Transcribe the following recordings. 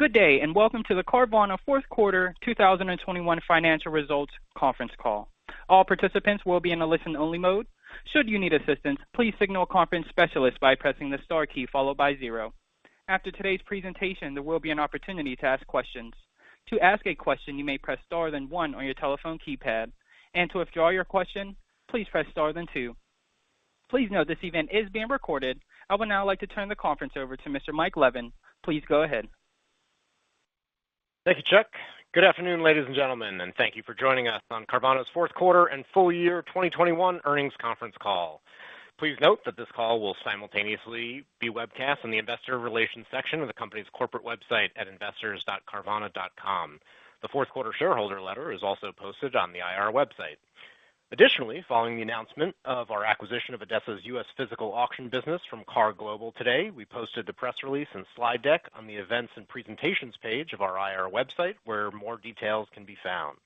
Good day, and welcome to the Carvana fourth quarter 2021 financial results conference call. All participants will be in a listen-only mode. Should you need assistance, please signal a conference specialist by pressing the star key followed by zero. After today's presentation, there will be an opportunity to ask questions. To ask a question, you may press star then one on your telephone keypad, and to withdraw your question, please press star then two. Please note this event is being recorded. I would now like to turn the conference over to Mr. Mike Levin. Please go ahead. Thank you, Chuck. Good afternoon, ladies and gentlemen, and thank you for joining us on Carvana's fourth quarter and full year 2021 earnings conference call. Please note that this call will simultaneously be webcast on the Investor Relations section of the company's corporate website at investors.carvana.com. The fourth quarter shareholder letter is also posted on the IR website. Additionally, following the announcement of our acquisition of ADESA's U.S. Physical Auction business from KAR Global today, we posted the press release and slide deck on the Events and Presentations page of our IR website, where more details can be found.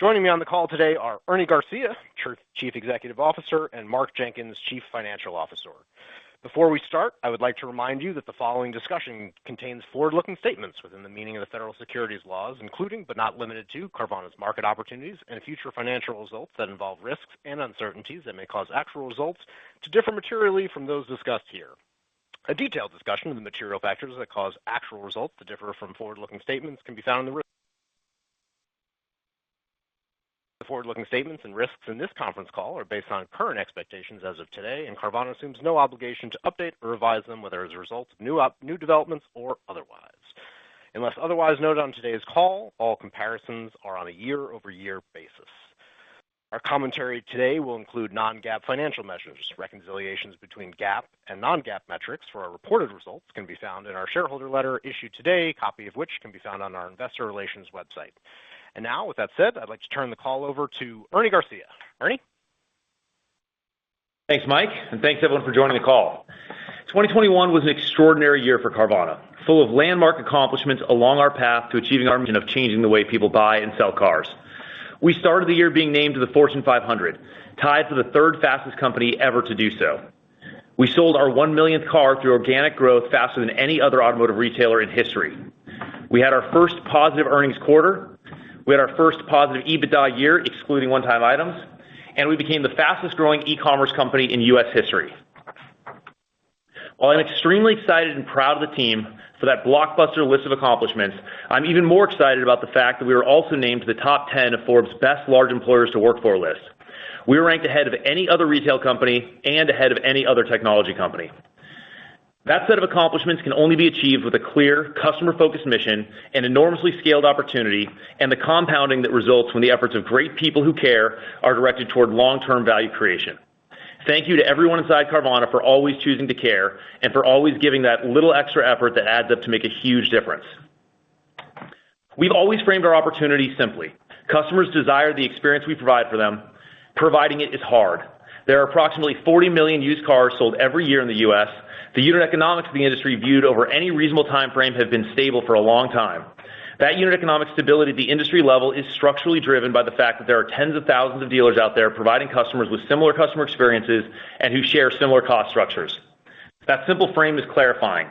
Joining me on the call today are Ernie Garcia, Chief Executive Officer, and Mark Jenkins, Chief Financial Officer. Before we start, I would like to remind you that the following discussion contains forward-looking statements within the meaning of the federal securities laws, including, but not limited to Carvana's market opportunities and future financial results that involve risks and uncertainties that may cause actual results to differ materially from those discussed here. A detailed discussion of the material factors that cause actual results to differ from forward-looking statements can be found in the forward-looking statements and risks in this conference call are based on current expectations as of today, and Carvana assumes no obligation to update or revise them whether as a result of new developments or otherwise. Unless otherwise noted on today's call, all comparisons are on a year-over-year basis. Our commentary today will include non-GAAP financial measures. Reconciliations between GAAP and non-GAAP metrics for our reported results can be found in our shareholder letter issued today, a copy of which can be found on our investor relations website. Now, with that said, I'd like to turn the call over to Ernie Garcia. Ernie? Thanks, Mike, and thanks everyone for joining the call. 2021 was an extraordinary year for Carvana, full of landmark accomplishments along our path to achieving our mission of changing the way people buy and sell cars. We started the year being named to the Fortune 500, tied for the third fastest company ever to do so. We sold our 1 millionth car through organic growth faster than any other automotive retailer in history. We had our first positive earnings quarter. We had our first positive EBITDA year excluding one-time items, and we became the fastest-growing e-commerce company in U.S. history. While I'm extremely excited and proud of the team for that blockbuster list of accomplishments, I'm even more excited about the fact that we were also named to the top 10 of Forbes America's Best Large Employers list. We were ranked ahead of any other retail company and ahead of any other technology company. That set of accomplishments can only be achieved with a clear customer-focused mission, an enormously scaled opportunity, and the compounding that results when the efforts of great people who care are directed toward long-term value creation. Thank you to everyone inside Carvana for always choosing to care and for always giving that little extra effort that adds up to make a huge difference. We've always framed our opportunity simply. Customers desire the experience we provide for them. Providing it is hard. There are approximately 40 million used cars sold every year in the U.S. The unit economics of the industry viewed over any reasonable time frame have been stable for a long time. That unit economic stability at the industry level is structurally driven by the fact that there are tens of thousands of dealers out there providing customers with similar customer experiences and who share similar cost structures. That simple frame is clarifying.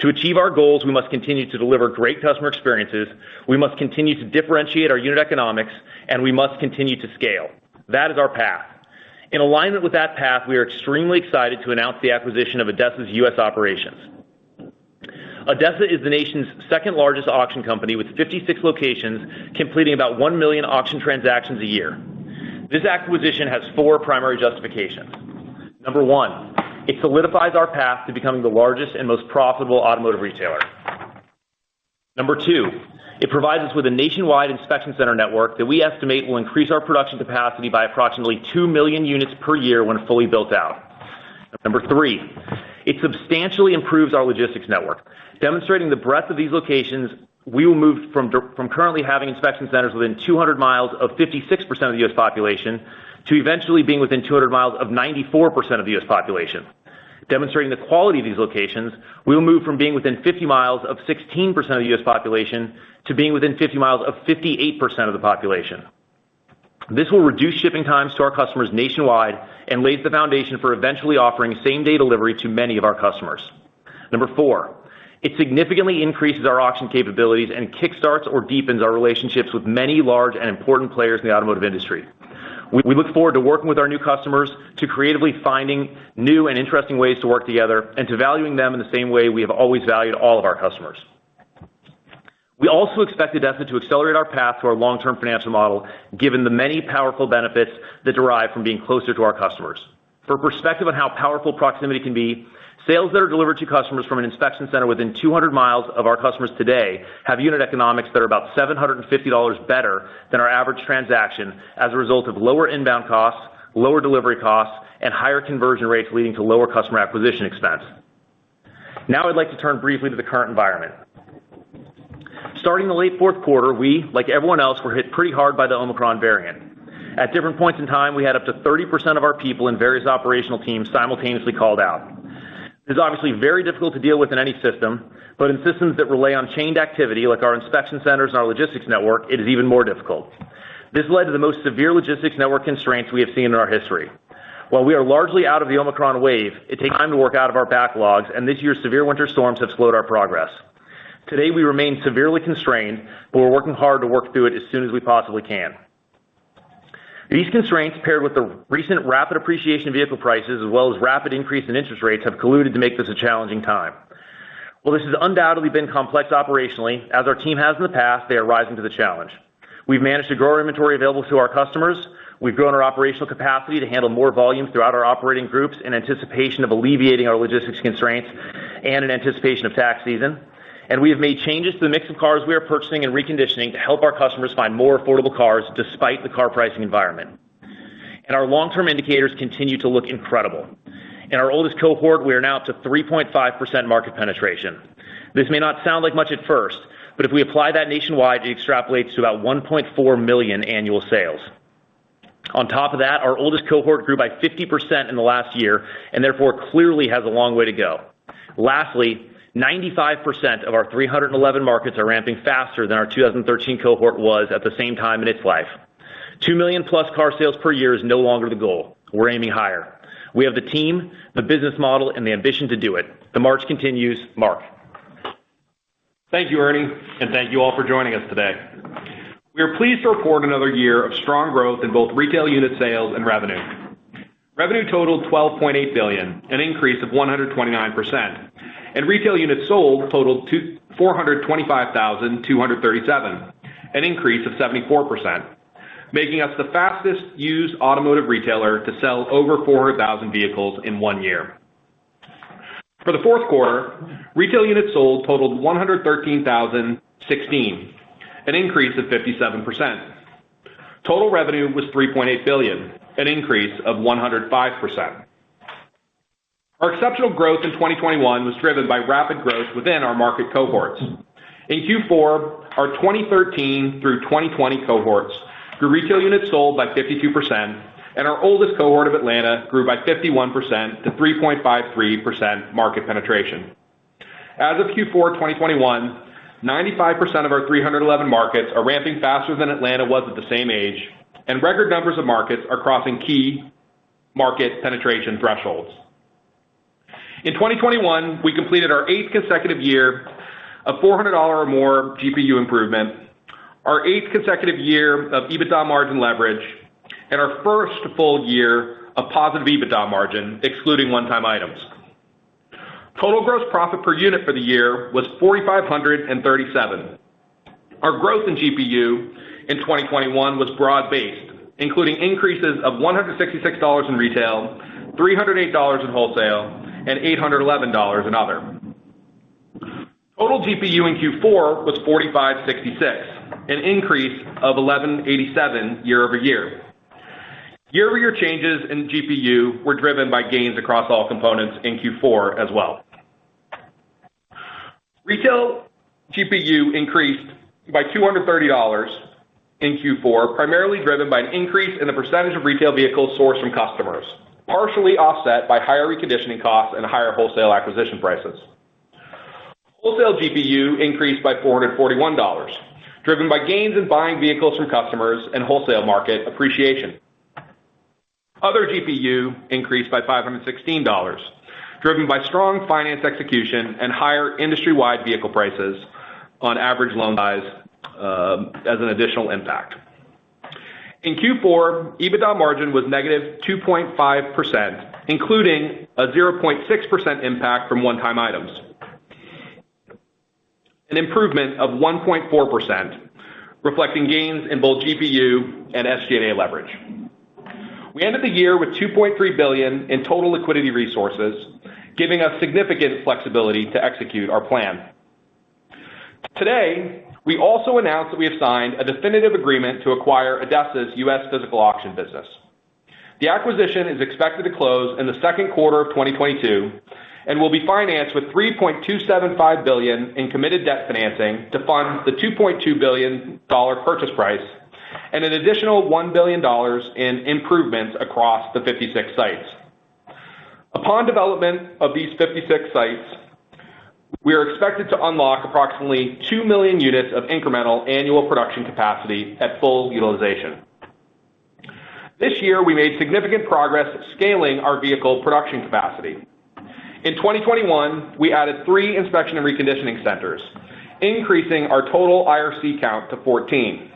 To achieve our goals, we must continue to deliver great customer experiences, we must continue to differentiate our unit economics, and we must continue to scale. That is our path. In alignment with that path, we are extremely excited to announce the acquisition of ADESA's U.S. operations. ADESA is the nation's second-largest auction company with 56 locations, completing about 1 million auction transactions a year. This acquisition has four primary justifications. Number one, it solidifies our path to becoming the largest and most profitable automotive retailer. Number two, it provides us with a nationwide inspection center network that we estimate will increase our production capacity by approximately 2 million units per year when fully built out. Number three, it substantially improves our logistics network. Demonstrating the breadth of these locations, we will move from currently having inspection centers within 200 miles of 56% of the U.S. population to eventually being within 200 miles of 94% of the U.S. population. Demonstrating the quality of these locations, we will move from being within 50 miles of 16% of the U.S. population to being within 50 miles of 58% of the population. This will reduce shipping times to our customers nationwide and lays the foundation for eventually offering same-day delivery to many of our customers. 4, it significantly increases our auction capabilities and kick-starts or deepens our relationships with many large and important players in the automotive industry. We look forward to working with our new customers to creatively finding new and interesting ways to work together and to valuing them in the same way we have always valued all of our customers. We also expect ADESA to accelerate our path to our long-term financial model, given the many powerful benefits that derive from being closer to our customers. For perspective on how powerful proximity can be, sales that are delivered to customers from an inspection center within 200 miles of our customers today have unit economics that are about $750 better than our average transaction as a result of lower inbound costs, lower delivery costs, and higher conversion rates, leading to lower customer acquisition expense. Now I'd like to turn briefly to the current environment. Starting in the late fourth quarter, we, like everyone else, were hit pretty hard by the Omicron variant. At different points in time, we had up to 30% of our people in various operational teams simultaneously called out. This is obviously very difficult to deal with in any system, but in systems that rely on chained activity, like our inspection centers and our logistics network, it is even more difficult. This led to the most severe logistics network constraints we have seen in our history. While we are largely out of the Omicron wave, it takes time to work out of our backlogs, and this year's severe winter storms have slowed our progress. Today, we remain severely constrained, but we're working hard to work through it as soon as we possibly can. These constraints, paired with the recent rapid appreciation of vehicle prices as well as rapid increase in interest rates, have colluded to make this a challenging time. While this has undoubtedly been complex operationally, as our team has in the past, they are rising to the challenge. We've managed to grow our inventory available to our customers. We've grown our operational capacity to handle more volume throughout our operating groups in anticipation of alleviating our logistics constraints and in anticipation of tax season. We have made changes to the mix of cars we are purchasing and reconditioning to help our customers find more affordable cars despite the car pricing environment. Our long-term indicators continue to look incredible. In our oldest cohort, we are now at 3.5% market penetration. This may not sound like much at first, but if we apply that nationwide, it extrapolates to about 1.4 million annual sales. On top of that, our oldest cohort grew by 50% in the last year and therefore clearly has a long way to go. Lastly, 95% of our 311 markets are ramping faster than our 2013 cohort was at the same time in its life. 2 million-plus car sales per year is no longer the goal. We're aiming higher. We have the team, the business model, and the ambition to do it. The march continues. Mark. Thank you, Ernie, and thank you all for joining us today. We are pleased to report another year of strong growth in both retail unit sales and revenue. Revenue totaled $12.8 billion, an increase of 129%. Retail units sold totaled 425,237, an increase of 74%, making us the fastest used automotive retailer to sell over 400,000 vehicles in one year. For the fourth quarter, retail units sold totaled 113,016, an increase of 57%. Total revenue was $3.8 billion, an increase of 105%. Our exceptional growth in 2021 was driven by rapid growth within our market cohorts. In Q4, our 2013 through 2020 cohorts grew retail units sold by 52%, and our oldest cohort of Atlanta grew by 51% to 3.53% market penetration. As of Q4 2021, 95% of our 311 markets are ramping faster than Atlanta was at the same age, and record numbers of markets are crossing key market penetration thresholds. In 2021, we completed our eighth consecutive year of $400 or more GPU improvement, our eighth consecutive year of EBITDA margin leverage, and our first full year of positive EBITDA margin, excluding one-time items. Total gross profit per unit for the year was $4,537. Our growth in GPU in 2021 was broad-based, including increases of $166 in retail, $308 in wholesale, and $811 in other. Total GPU in Q4 was 4,566, an increase of 1,187 year-over-year. Year-over-year changes in GPU were driven by gains across all components in Q4 as well. Retail GPU increased by $230 in Q4, primarily driven by an increase in the percentage of retail vehicles sourced from customers, partially offset by higher reconditioning costs and higher wholesale acquisition prices. Wholesale GPU increased by $441, driven by gains in buying vehicles from customers and wholesale market appreciation. Other GPU increased by $516, driven by strong finance execution and higher industry-wide vehicle prices on average loan size, as an additional impact. In Q4, EBITDA margin was -2.5%, including a 0.6% impact from one-time items, an improvement of 1.4%, reflecting gains in both GPU and SG&A leverage. We ended the year with $2.3 billion in total liquidity resources, giving us significant flexibility to execute our plan. Today, we also announced that we have signed a definitive agreement to acquire ADESA's U.S. Physical Auction business. The acquisition is expected to close in the second quarter of 2022 and will be financed with $3.275 billion in committed debt financing to fund the $2.2 billion purchase price and an additional $1 billion in improvements across the 56 sites. Upon development of these 56 sites, we are expected to unlock approximately 2 million units of incremental annual production capacity at full utilization. This year, we made significant progress scaling our vehicle production capacity. In 2021, we added three inspection and reconditioning centers, increasing our total IRC count to 14.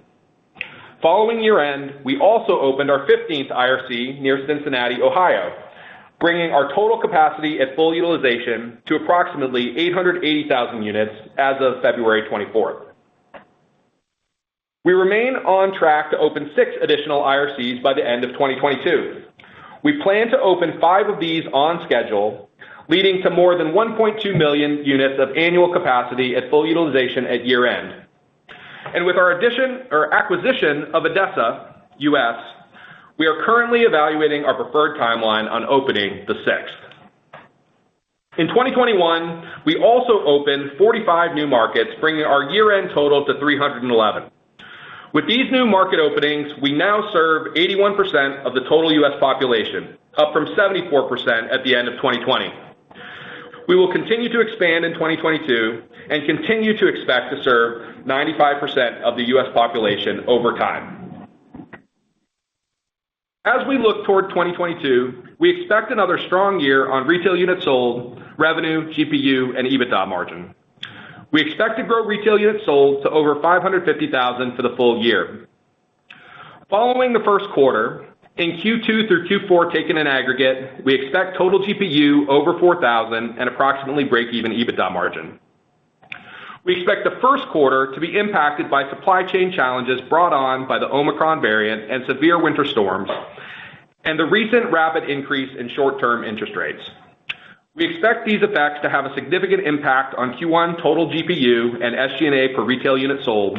Following year-end, we also opened our 15th IRC near Cincinnati, Ohio, bringing our total capacity at full utilization to approximately 880,000 units as of February 24. We remain on track to open six additional IRCs by the end of 2022. We plan to open five of these on schedule, leading to more than 1.2 million units of annual capacity at full utilization at year-end. With our addition or acquisition of ADESA US, we are currently evaluating our preferred timeline on opening the sixth. In 2021, we also opened 45 new markets, bringing our year-end total to 311. With these new market openings, we now serve 81% of the total U.S. population, up from 74% at the end of 2020. We will continue to expand in 2022 and continue to expect to serve 95% of the U.S. population over time. As we look toward 2022, we expect another strong year on retail units sold, revenue, GPU, and EBITDA margin. We expect to grow retail units sold to over 550,000 for the full year. Following the first quarter, in Q2 through Q4, taken in aggregate, we expect total GPU over $4,000 and approximately break-even EBITDA margin. We expect the first quarter to be impacted by supply chain challenges brought on by the Omicron variant and severe winter storms and the recent rapid increase in short-term interest rates. We expect these effects to have a significant impact on Q1 total GPU and SG&A per retail unit sold,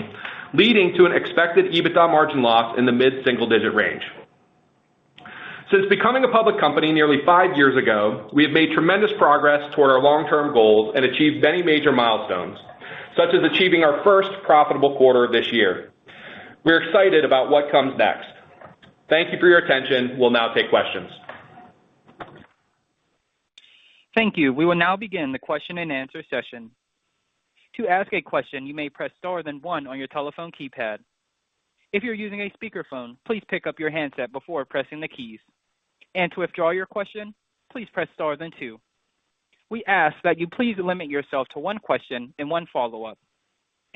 leading to an expected EBITDA margin loss in the mid-single-digit range. Since becoming a public company nearly five years ago, we have made tremendous progress toward our long-term goals and achieved many major milestones, such as achieving our first profitable quarter this year. We're excited about what comes next. Thank you for your attention. We'll now take questions. Thank you. We will now begin the question-and-answer session. To ask a question, you may press star then one on your telephone keypad. If you're using a speakerphone, please pick up your handset before pressing the keys. To withdraw your question, please press star then two. We ask that you please limit yourself to one question and one follow-up.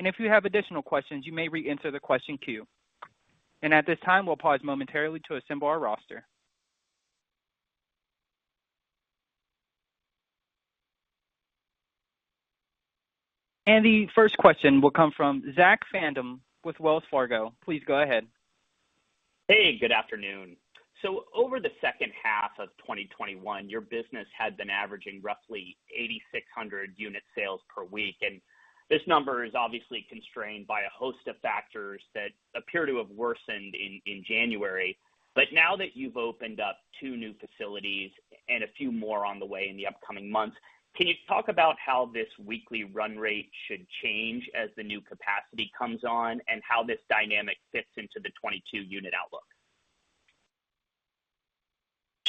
If you have additional questions, you may reenter the question queue. At this time, we'll pause momentarily to assemble our roster. The first question will come from Zach Fadem with Wells Fargo. Please go ahead. Hey, good afternoon. Over the second half of 2021, your business had been averaging roughly 8,600 unit sales per week. This number is obviously constrained by a host of factors that appear to have worsened in January. Now that you've opened up two new facilities and a few more on the way in the upcoming months, can you talk about how this weekly run rate should change as the new capacity comes on and how this dynamic fits into the 2022 unit outlook?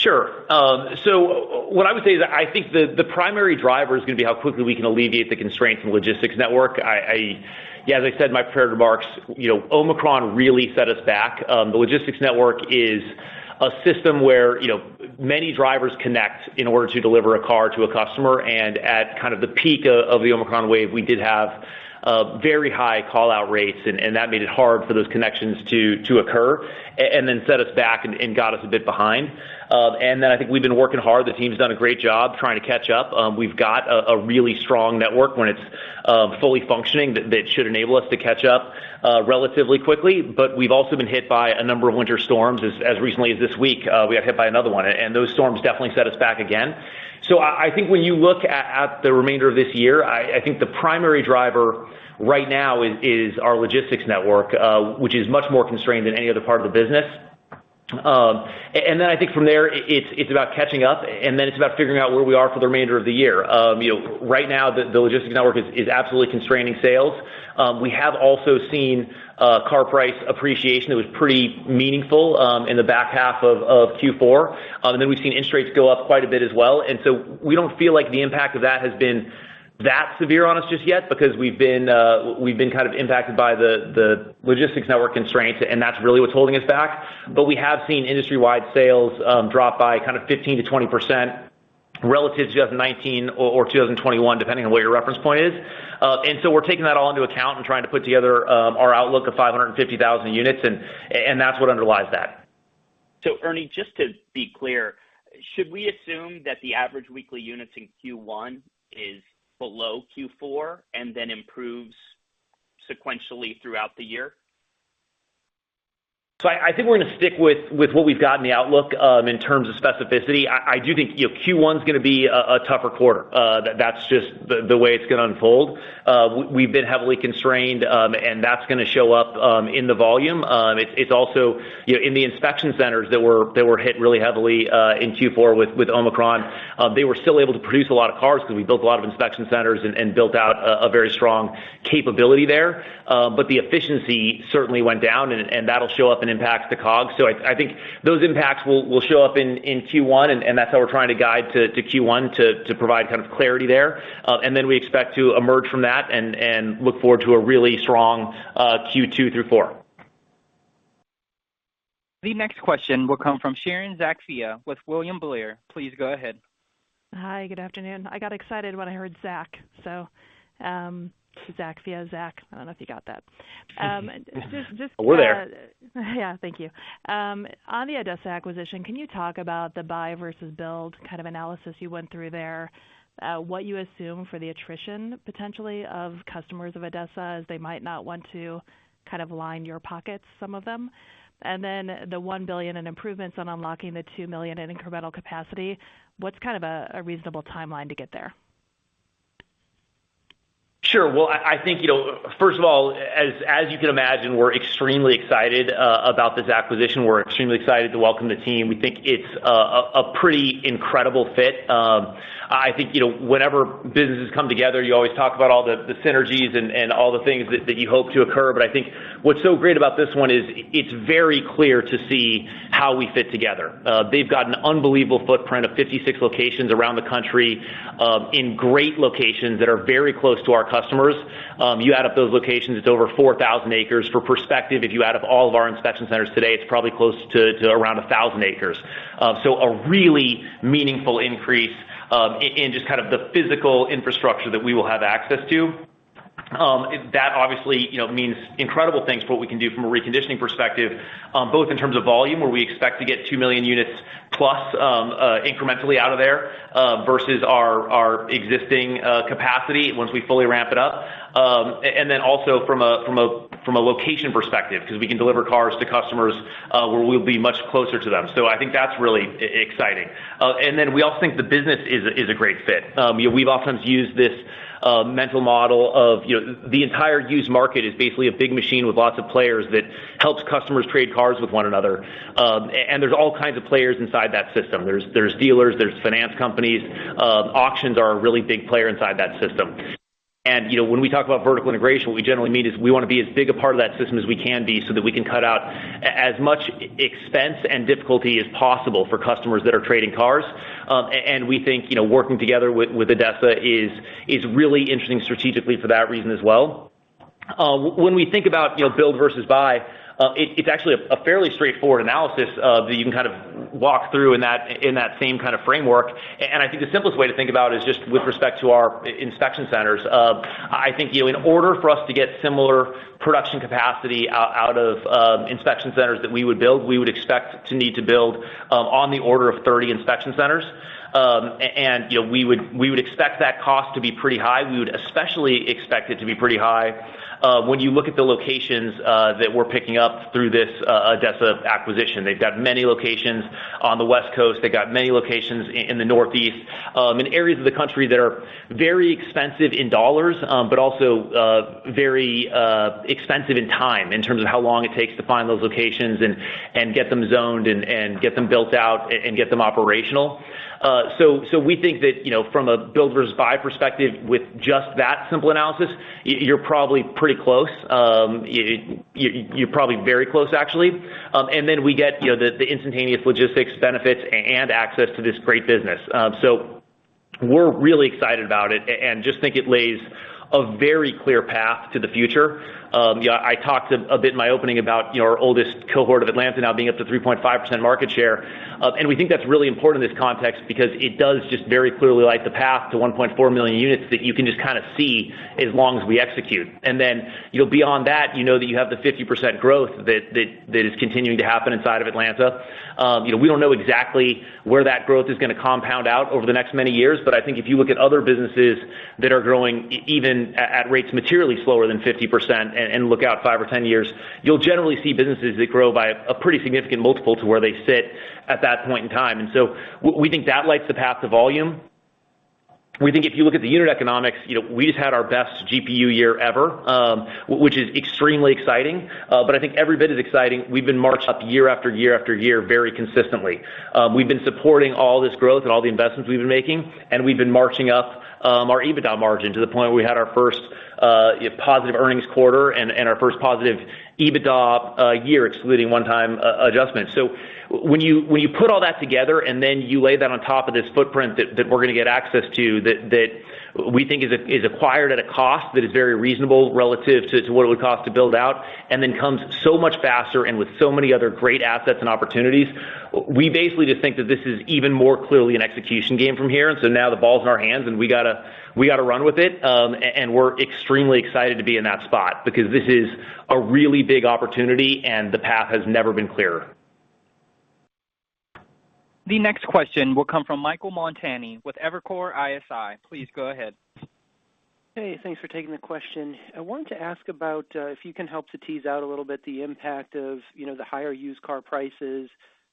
Sure. What I would say is that I think the primary driver is gonna be how quickly we can alleviate the constraints in the logistics network. Yeah, as I said in my prepared remarks, you know, Omicron really set us back. The logistics network is a system where, you know, many drivers connect in order to deliver a car to a customer. At kind of the peak of the Omicron wave, we did have very high call-out rates, and that made it hard for those connections to occur and then set us back and got us a bit behind. I think we've been working hard. The team's done a great job trying to catch up. We've got a really strong network when it's fully functioning that should enable us to catch up relatively quickly. We've also been hit by a number of winter storms. As recently as this week, we got hit by another one, and those storms definitely set us back again. I think when you look at the remainder of this year, I think the primary driver right now is our logistics network, which is much more constrained than any other part of the business. I think from there, it's about catching up, and then it's about figuring out where we are for the remainder of the year. You know, right now, the logistics network is absolutely constraining sales. We have also seen car price appreciation that was pretty meaningful in the back half of Q4. We've seen interest rates go up quite a bit as well. We don't feel like the impact of that has been that severe on us just yet because we've been kind of impacted by the logistics network constraints, and that's really what's holding us back. We have seen industry-wide sales drop by kind of 15%-20% relative to just 2019 or 2021, depending on what your reference point is. We're taking that all into account and trying to put together our outlook of 550,000 units, and that's what underlies that. Ernie, just to be clear, should we assume that the average weekly units in Q1 is below Q4 and then improves sequentially throughout the year? I think we're gonna stick with what we've got in the outlook in terms of specificity. I do think, you know, Q1's gonna be a tougher quarter. That's just the way it's gonna unfold. We've been heavily constrained, and that's gonna show up in the volume. It's also, you know, in the inspection centers that were hit really heavily in Q4 with Omicron. They were still able to produce a lot of cars because we built a lot of inspection centers and built out a very strong capability there. But the efficiency certainly went down, and that'll show up and impact the COGS. I think those impacts will show up in Q1, and that's how we're trying to guide to Q1 to provide kind of clarity there. We expect to emerge from that and look forward to a really strong Q2 through four. The next question will come from Sharon Zackfia with William Blair. Please go ahead. Hi, good afternoon. I got excited when I heard Zach. Zackfia, Zach, I don't know if you got that. Just. We're there. Yeah. Thank you. On the ADESA acquisition, can you talk about the buy versus build kind of analysis you went through there? What you assume for the attrition potentially of customers of ADESA, as they might not want to kind of line your pockets, some of them? The $1 billion in improvements on unlocking the 2 million in incremental capacity, what's kind of a reasonable timeline to get there? Sure. Well, I think, you know, first of all, as you can imagine, we're extremely excited about this acquisition. We're extremely excited to welcome the team. We think it's a pretty incredible fit. I think, you know, whenever businesses come together, you always talk about all the synergies and all the things that you hope to occur. I think what's so great about this one is it's very clear to see how we fit together. They've got an unbelievable footprint of 56 locations around the country, in great locations that are very close to our customers. You add up those locations, it's over 4,000 acres. For perspective, if you add up all of our inspection centers today, it's probably close to around 1,000 acres. A really meaningful increase in just kind of the physical infrastructure that we will have access to. That obviously, you know, means incredible things for what we can do from a reconditioning perspective, both in terms of volume, where we expect to get 2 million units plus, incrementally out of there, versus our existing capacity once we fully ramp it up. Then also from a location perspective, 'cause we can deliver cars to customers, where we'll be much closer to them. I think that's really exciting. Then we also think the business is a great fit. You know, we've often used this mental model of, you know, the entire used market is basically a big machine with lots of players that helps customers trade cars with one another. And there's all kinds of players inside that system. There's dealers, finance companies. Auctions are a really big player inside that system. You know, when we talk about vertical integration, what we generally mean is we wanna be as big a part of that system as we can be, so that we can cut out as much expense and difficulty as possible for customers that are trading cars. And we think, you know, working together with ADESA is really interesting strategically for that reason as well. When we think about, you know, build versus buy, it's actually a fairly straightforward analysis you can kind of walk through in that same kind of framework. I think the simplest way to think about it is just with respect to our inspection centers. I think, you know, in order for us to get similar production capacity out of inspection centers that we would build, we would expect to need to build on the order of 30 inspection centers. You know, we would expect that cost to be pretty high. We would especially expect it to be pretty high when you look at the locations that we're picking up through this ADESA acquisition. They've got many locations on the West Coast. They got many locations in the Northeast in areas of the country that are very expensive in dollars, but also very expensive in time in terms of how long it takes to find those locations and get them zoned and get them built out and get them operational. We think that, you know, from a build versus buy perspective with just that simple analysis, you're probably pretty close. You're probably very close, actually. Then we get, you know, the instantaneous logistics benefits and access to this great business. We're really excited about it and just think it lays a very clear path to the future. You know, I talked a bit in my opening about, you know, our oldest cohort of Atlanta now being up to 3.5% market share. We think that's really important in this context because it does just very clearly light the path to 1.4 million units that you can just kinda see as long as we execute. Then, you know, beyond that, you know that you have the 50% growth that is continuing to happen inside of Atlanta. You know, we don't know exactly where that growth is gonna compound out over the next many years, but I think if you look at other businesses that are growing even at rates materially slower than 50% and look out five or 10 years, you'll generally see businesses that grow by a pretty significant multiple to where they sit at that point in time. We think that lights the path to volume. We think if you look at the unit economics, you know, we just had our best GPU year ever, which is extremely exciting. I think every bit as exciting, we've been marched up year after year after year very consistently. We've been supporting all this growth and all the investments we've been making, and we've been marching up our EBITDA margin to the point where we had our first positive earnings quarter and our first positive EBITDA year, excluding one-time adjustment. When you put all that together and then you lay that on top of this footprint that we're gonna get access to, that we think is acquired at a cost that is very reasonable relative to what it would cost to build out, and then comes so much faster and with so many other great assets and opportunities, we basically just think that this is even more clearly an execution game from here. Now the ball's in our hands, and we gotta run with it. We're extremely excited to be in that spot because this is a really big opportunity, and the path has never been clearer. The next question will come from Michael Montani with Evercore ISI. Please go ahead. Hey, thanks for taking the question. I wanted to ask about if you can help to tease out a little bit the impact of, you know, the higher used car prices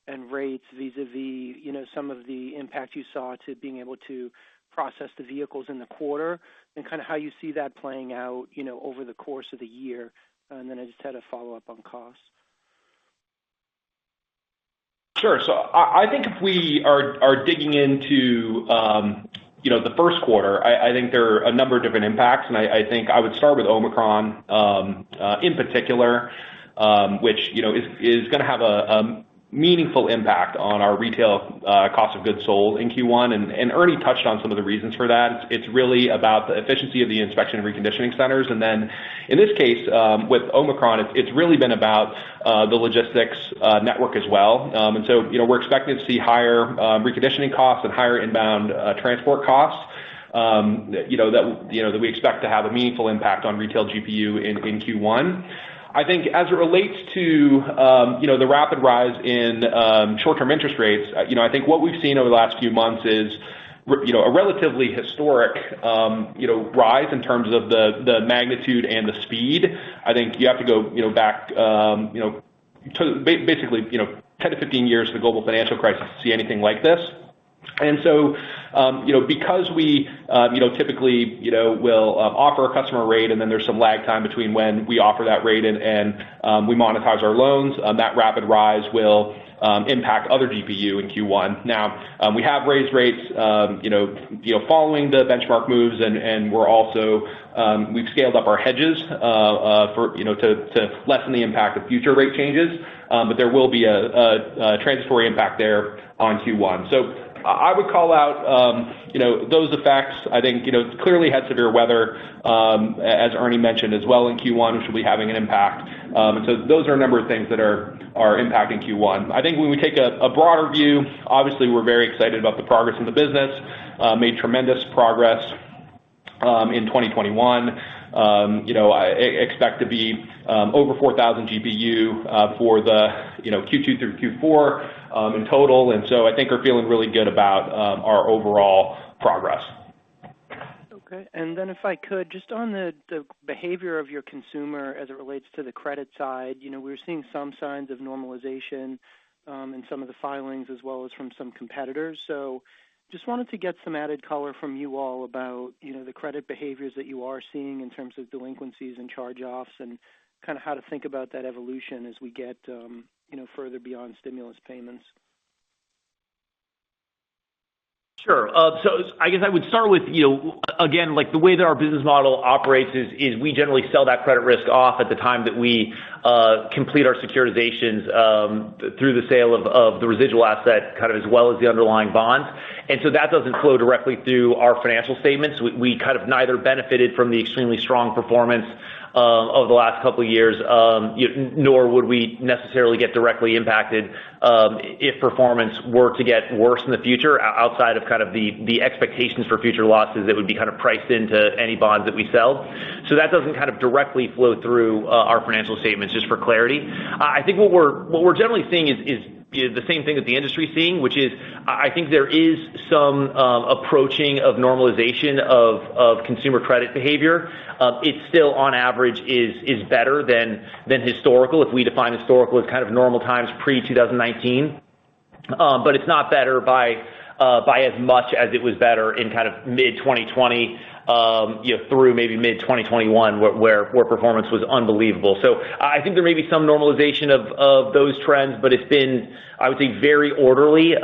and rates vis-à-vis, you know, some of the impact you saw to being able to process the vehicles in the quarter and kinda how you see that playing out, you know, over the course of the year. I just had a follow-up on costs. Sure. I think if we are digging into the first quarter, I think there are a number of different impacts, and I think I would start with Omicron in particular, which you know is gonna have a meaningful impact on our retail cost of goods sold in Q1, and Ernie touched on some of the reasons for that. It's really about the efficiency of the inspection and reconditioning centers. In this case with Omicron, it's really been about the logistics network as well. You know, we're expecting to see higher reconditioning costs and higher inbound transport costs you know that you know that we expect to have a meaningful impact on retail GPU in Q1. I think as it relates to, you know, the rapid rise in short-term interest rates, you know, I think what we've seen over the last few months is a relatively historic rise in terms of the magnitude and the speed. I think you have to go, you know, back, you know, to basically, you know, 10-15 years to the global financial crisis to see anything like this. Because we, you know, typically, you know, we'll offer a customer rate and then there's some lag time between when we offer that rate and we monetize our loans, that rapid rise will impact our GPU in Q1. Now, we have raised rates, you know, following the benchmark moves and we're also, we've scaled up our hedges, for you know to lessen the impact of future rate changes. But there will be a transitory impact there on Q1. I would call out, you know, those effects. I think, you know, we clearly had severe weather, as Ernie mentioned as well in Q1, which will be having an impact. Those are a number of things that are impacting Q1. I think when we take a broader view, obviously we're very excited about the progress in the business. We made tremendous progress in 2021. You know, I expect to be over 4,000 GPU for the, you know, Q2 through Q4 in total. I think we're feeling really good about our overall progress. Okay. If I could, just on the behavior of your consumer as it relates to the credit side. You know, we're seeing some signs of normalization in some of the filings as well as from some competitors. Just wanted to get some added color from you all about, you know, the credit behaviors that you are seeing in terms of delinquencies and charge-offs, and kind of how to think about that evolution as we get, you know, further beyond stimulus payments? Sure. I guess I would start with, you know, again, like the way that our business model operates is we generally sell that credit risk off at the time that we complete our securitizations, through the sale of the residual asset kind of as well as the underlying bonds. That doesn't flow directly through our financial statements. We kind of neither benefited from the extremely strong performance over the last couple of years, nor would we necessarily get directly impacted, if performance were to get worse in the future outside of kind of the expectations for future losses that would be kind of priced into any bonds that we sell. That doesn't kind of directly flow through our financial statements, just for clarity. I think what we're generally seeing is, you know, the same thing that the industry is seeing, which is I think there is some approaching of normalization of consumer credit behavior. It's still on average better than historical, if we define historical as kind of normal times pre-2019. But it's not better by as much as it was better in kind of mid-2020, you know, through maybe mid-2021, where performance was unbelievable. I think there may be some normalization of those trends, but it's been, I would say, very orderly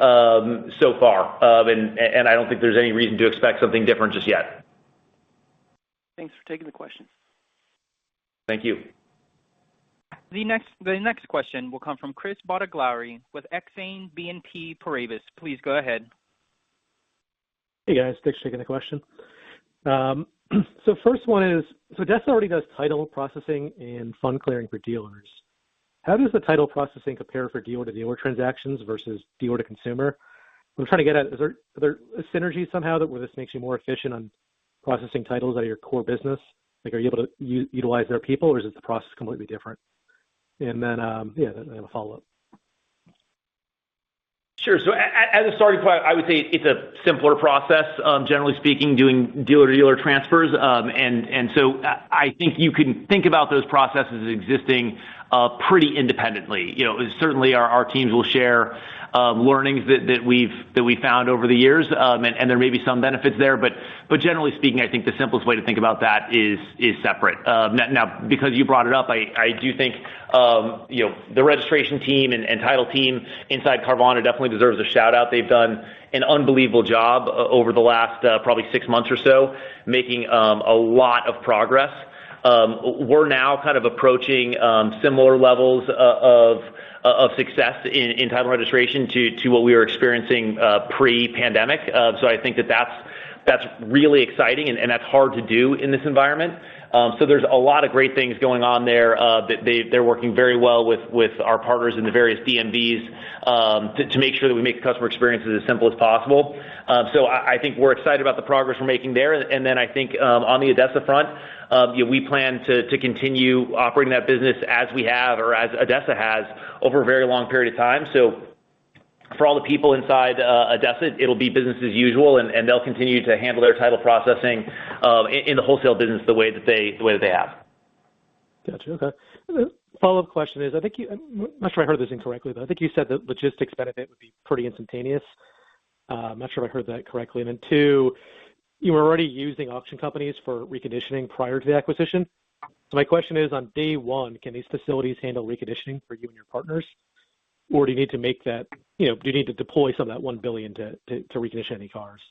so far. And I don't think there's any reason to expect something different just yet. Thanks for taking the question. Thank you. The next question will come from Chris Bottiglieri with Exane BNP Paribas. Please go ahead. Hey, guys. Thanks for taking the question. First one is, ADESA does title processing and fund clearing for dealers. How does the title processing compare for dealer-to-dealer transactions versus dealer-to-consumer? I'm trying to get at, is there a synergy somehow that where this makes you more efficient on processing titles out of your core business? Like, are you able to utilize their people or is the process completely different? I have a follow-up. Sure. As a starting point, I would say it's a simpler process, generally speaking, doing dealer-to-dealer transfers. I think you can think about those processes existing pretty independently. You know, certainly our teams will share learnings that we've found over the years, and there may be some benefits there. Generally speaking, I think the simplest way to think about that is separate. Now because you brought it up, I do think you know, the registration team and title team inside Carvana definitely deserves a shout out. They've done an unbelievable job over the last probably six months or so, making a lot of progress. We're now kind of approaching similar levels of success in title registration to what we were experiencing pre-pandemic. I think that that's really exciting and that's hard to do in this environment. There's a lot of great things going on there. They're working very well with our partners in the various DMVs to make sure that we make the customer experience as simple as possible. I think we're excited about the progress we're making there. I think on the ADESA front, you know, we plan to continue operating that business as we have or as ADESA has over a very long period of time. For all the people inside ADESA, it'll be business as usual, and they'll continue to handle their title processing in the wholesale business the way that they have. Got you. Okay. The follow-up question is, I'm not sure if I heard that correctly, but I think you said the logistics benefit would be pretty instantaneous. Then two, you were already using auction companies for reconditioning prior to the acquisition. My question is, on day one, can these facilities handle reconditioning for you and your partners? Or do you need to make that. You know, do you need to deploy some of that $1 billion to recondition any cars?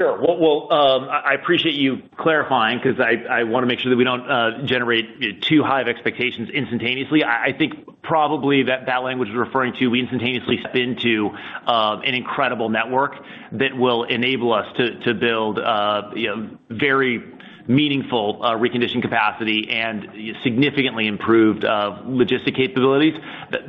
Sure. Well, I appreciate you clarifying because I wanna make sure that we don't generate too high of expectations instantaneously. I think probably that language is referring to we instantaneously spin to an incredible network that will enable us to build you know very meaningful reconditioning capacity and significantly improved logistics capabilities.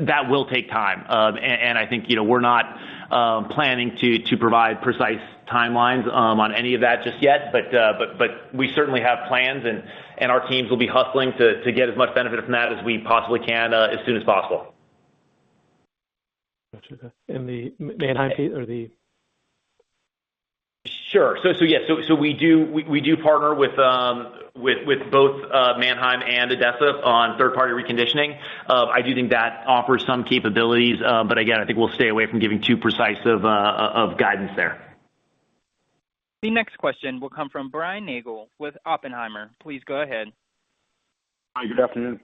That will take time. I think you know we're not planning to provide precise timelines on any of that just yet. We certainly have plans and our teams will be hustling to get as much benefit from that as we possibly can as soon as possible. Got you. Okay. May I Sure. Yes, we do partner with both Manheim and ADESA on third-party reconditioning. I do think that offers some capabilities, but again, I think we'll stay away from giving too precise of guidance there. The next question will come from Brian Nagel with Oppenheimer. Please go ahead. Hi, good afternoon.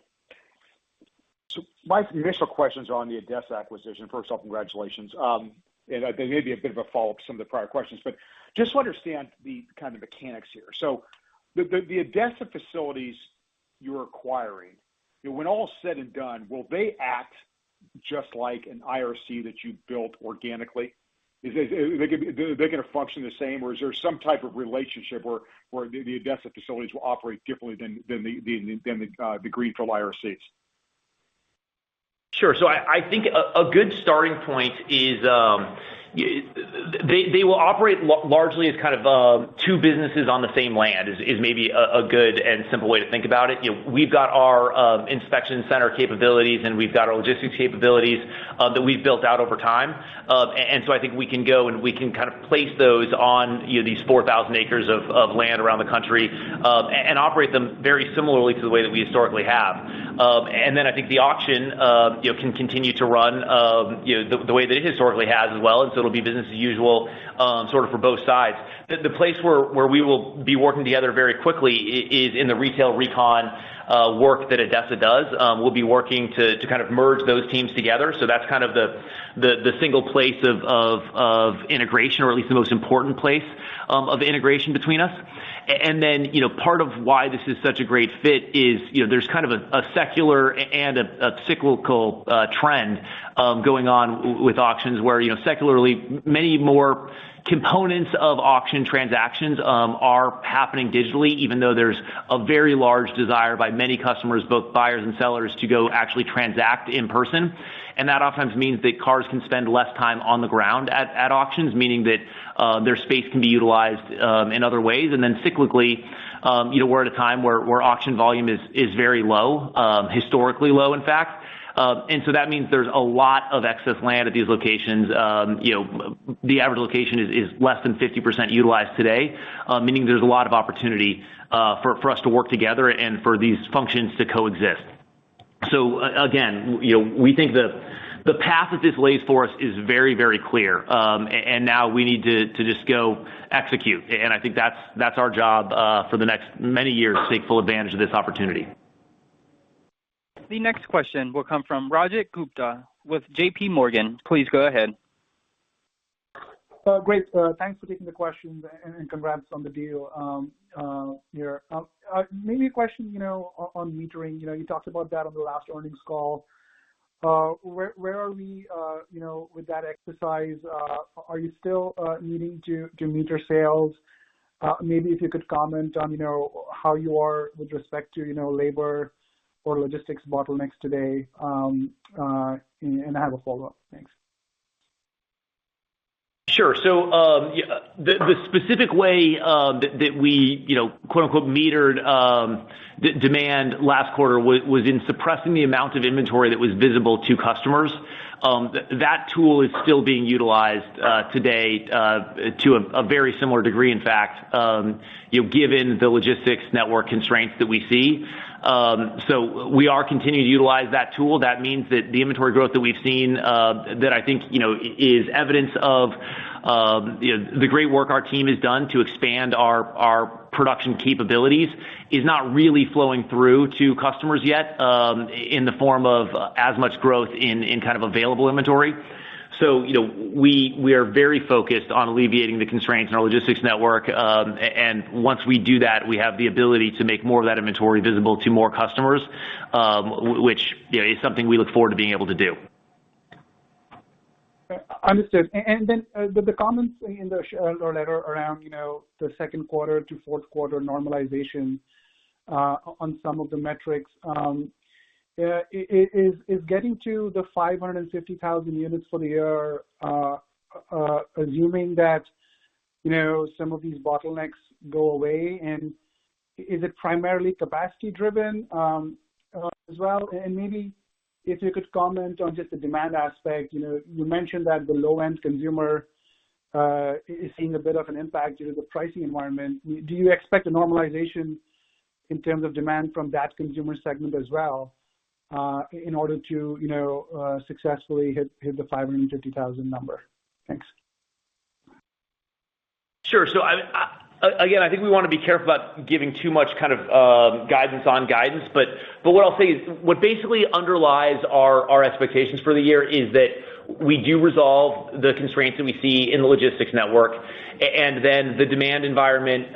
My initial questions are on the ADESA acquisition. First off, congratulations. I think maybe a bit of a follow-up to some of the prior questions, but just to understand the kind of mechanics here. The ADESA facilities you're acquiring, when all is said and done, will they act just like an IRC that you built organically? They're gonna function the same or is there some type of relationship where the ADESA facilities will operate differently than the greenfield IRCs? Sure. I think a good starting point is they will operate largely as kind of two businesses on the same land, is maybe a good and simple way to think about it. You know, we've got our inspection center capabilities, and we've got our logistics capabilities that we've built out over time. I think we can go and we can kind of place those on, you know, these 4,000 acres of land around the country, and operate them very similarly to the way that we historically have. I think the auction you know can continue to run you know the way that it historically has as well. It'll be business as usual sort of for both sides. The place where we will be working together very quickly is in the retail recon work that ADESA does. We'll be working to kind of merge those teams together. That's kind of the single place of integration or at least the most important place of integration between us. Then, you know, part of why this is such a great fit is, you know, there's kind of a secular and a cyclical trend going on with auctions where, you know, secularly many more components of auction transactions are happening digitally, even though there's a very large desire by many customers, both buyers and sellers, to go actually transact in person. That oftentimes means that cars can spend less time on the ground at auctions, meaning that their space can be utilized in other ways. Then cyclically, you know, we're at a time where auction volume is very low, historically low, in fact. That means there's a lot of excess land at these locations. You know, the average location is less than 50% utilized today, meaning there's a lot of opportunity for us to work together and for these functions to coexist. Again, you know, we think the path that this lays for us is very clear. Now we need to just go execute. I think that's our job for the next many years to take full advantage of this opportunity. The next question will come from Rajat Gupta with JPMorgan. Please go ahead. Great. Thanks for taking the questions and congrats on the deal. Yeah. Maybe a question, you know, on metering. You know, you talked about that on the last earnings call. Where are we, you know, with that exercise? Are you still needing to meter sales? Maybe if you could comment on, you know, how you are with respect to, you know, labor or logistics bottlenecks today. I have a follow-up. Thanks. Sure. Yeah, the specific way that we, you know, quote unquote metered demand last quarter was in suppressing the amount of inventory that was visible to customers. That tool is still being utilized today to a very similar degree, in fact, you know, given the logistics network constraints that we see. We are continuing to utilize that tool. That means that the inventory growth that we've seen that I think you know is evidence of you know the great work our team has done to expand our production capabilities is not really flowing through to customers yet in the form of as much growth in kind of available inventory. You know, we are very focused on alleviating the constraints in our logistics network. Once we do that, we have the ability to make more of that inventory visible to more customers, which, you know, is something we look forward to being able to do. Understood. The comments in the shareholder letter around, you know, the second quarter to fourth quarter normalization on some of the metrics is getting to the 550,000 units for the year, assuming that, you know, some of these bottlenecks go away, and is it primarily capacity driven, as well? Maybe if you could comment on just the demand aspect. You know, you mentioned that the low-end consumer is seeing a bit of an impact due to the pricing environment. Do you expect a normalization in terms of demand from that consumer segment as well, in order to, you know, successfully hit the 550,000 number? Thanks. Again, I think we wanna be careful about giving too much kind of guidance on guidance. What I'll say is what basically underlies our expectations for the year is that we do resolve the constraints that we see in the logistics network, and then the demand environment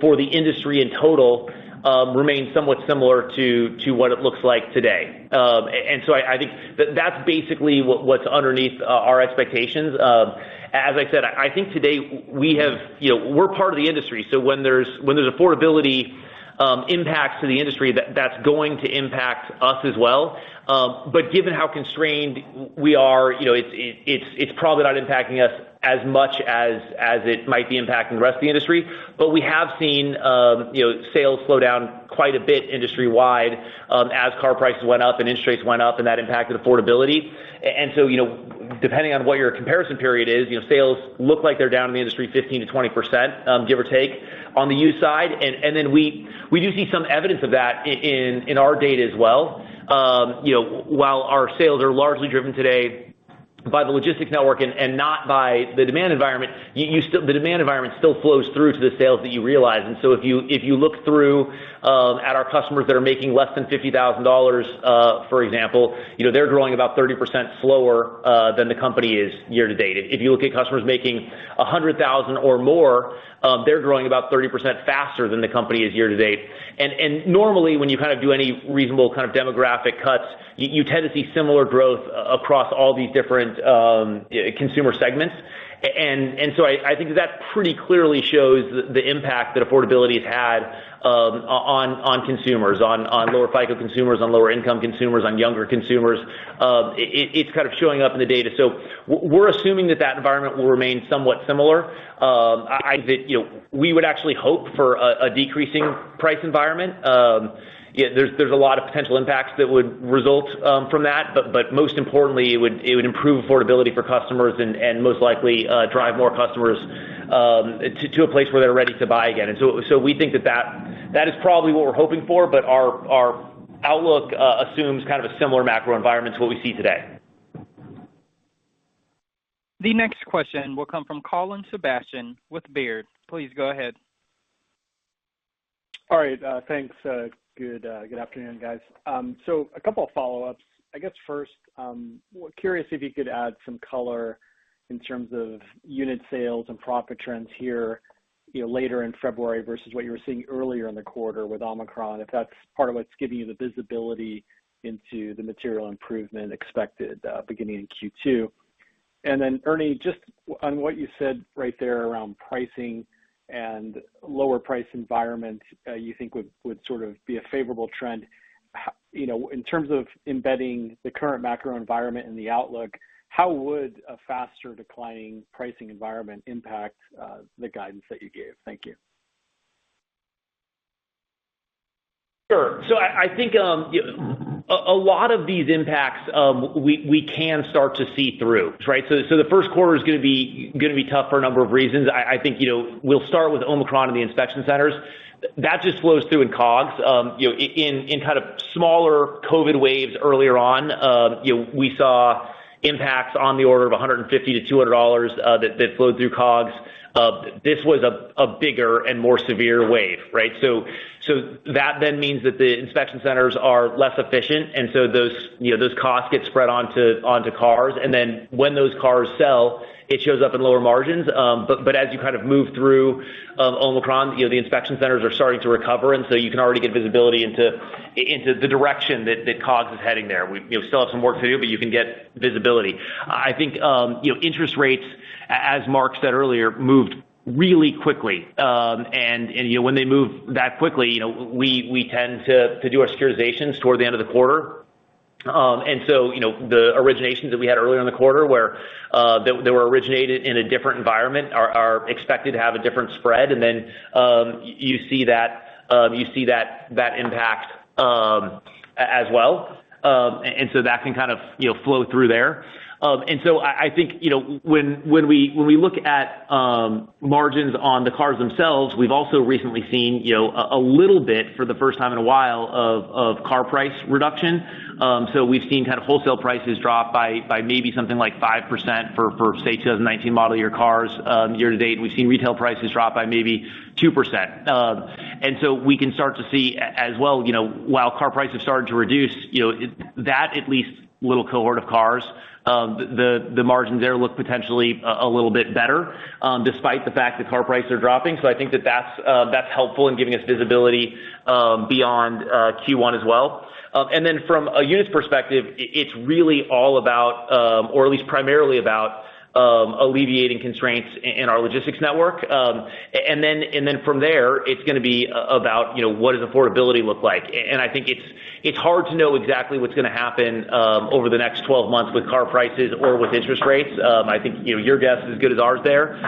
for the industry in total remains somewhat similar to what it looks like today. I think that's basically what's underneath our expectations. As I said, I think today you know, we're part of the industry, so when there's affordability impacts to the industry, that's going to impact us as well. Given how constrained we are, you know, it's probably not impacting us as much as it might be impacting the rest of the industry. We have seen, you know, sales slow down quite a bit industry-wide, as car prices went up and interest rates went up, and that impacted affordability. Depending on what your comparison period is, you know, sales look like they're down in the industry 15%-20%, give or take on the used side. We do see some evidence of that in our data as well. You know, while our sales are largely driven today by the logistics network and not by the demand environment, the demand environment still flows through to the sales that you realize. If you look through at our customers that are making less than $50,000, for example, you know, they're growing about 30% slower than the company is year to date. If you look at customers making $100,000 or more, they're growing about 30% faster than the company is year to date. Normally, when you kind of do any reasonable kind of demographic cuts, you tend to see similar growth across all these different consumer segments. I think that pretty clearly shows the impact that affordability has had on consumers, on lower FICO consumers, on lower income consumers, on younger consumers. It's kind of showing up in the data. We're assuming that that environment will remain somewhat similar. I think that, you know, we would actually hope for a decreasing price environment. There's a lot of potential impacts that would result from that. Most importantly, it would improve affordability for customers and most likely drive more customers to a place where they're ready to buy again. We think that is probably what we're hoping for. Our outlook assumes kind of a similar macro environment to what we see today. The next question will come from Colin Sebastian with Baird. Please go ahead. All right. Thanks. Good afternoon, guys. So a couple of follow-ups. I guess first, curious if you could add some color in terms of unit sales and profit trends here, you know, later in February versus what you were seeing earlier in the quarter with Omicron, if that's part of what's giving you the visibility into the material improvement expected, beginning in Q2. And then Ernie, just on what you said right there around pricing and lower price environment, you think would sort of be a favorable trend. How you know, in terms of embedding the current macro environment and the outlook, how would a faster declining pricing environment impact the guidance that you gave? Thank you. Sure. I think, you know, a lot of these impacts, we can start to see through, right? The first quarter is gonna be tough for a number of reasons. I think, you know, we'll start with Omicron and the inspection centers. That just flows through in COGS. In kind of smaller COVID waves earlier on, we saw impacts on the order of $150-$200 that flowed through COGS. This was a bigger and more severe wave, right? That then means that the inspection centers are less efficient, and so those costs get spread onto cars. Then when those cars sell, it shows up in lower margins. As you kind of move through Omicron, you know, the inspection centers are starting to recover, and so you can already get visibility into the direction that COGS is heading there. We, you know, still have some work to do, but you can get visibility. I think, you know, interest rates, as Mark said earlier, moved really quickly. You know, when they move that quickly, you know, we tend to do our securitizations toward the end of the quarter. You know, the originations that we had earlier in the quarter were originated in a different environment are expected to have a different spread. You see that impact as well. That can kind of, you know, flow through there. I think, you know, when we look at margins on the cars themselves, we've also recently seen, you know, a little bit for the first time in a while of car price reduction. We've seen kind of wholesale prices drop by maybe something like 5% for, say, 2019 model year cars, year to date. We've seen retail prices drop by maybe 2%. We can start to see as well, you know, while car prices started to reduce, you know, that at least little cohort of cars, the margins there look potentially a little bit better, despite the fact that car prices are dropping. I think that that's helpful in giving us visibility beyond Q1 as well. From a units perspective, it's really all about, or at least primarily about, alleviating constraints in our logistics network. From there, it's gonna be about, you know, what does affordability look like? I think it's hard to know exactly what's gonna happen over the next 12 months with car prices or with interest rates. I think, you know, your guess is as good as ours there.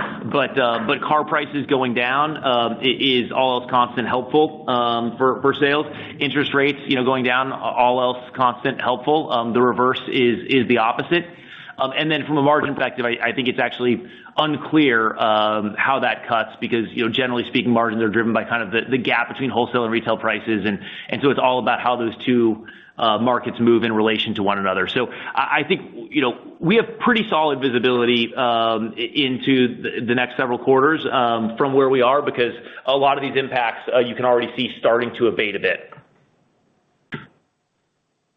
Car prices going down is all else constant helpful for sales. Interest rates, you know, going down all else constant helpful. The reverse is the opposite. From a margin perspective, I think it's actually unclear how that cuts because, you know, generally speaking, margins are driven by kind of the gap between wholesale and retail prices. It's all about how those two markets move in relation to one another. I think, you know, we have pretty solid visibility into the next several quarters from where we are because a lot of these impacts you can already see starting to abate a bit.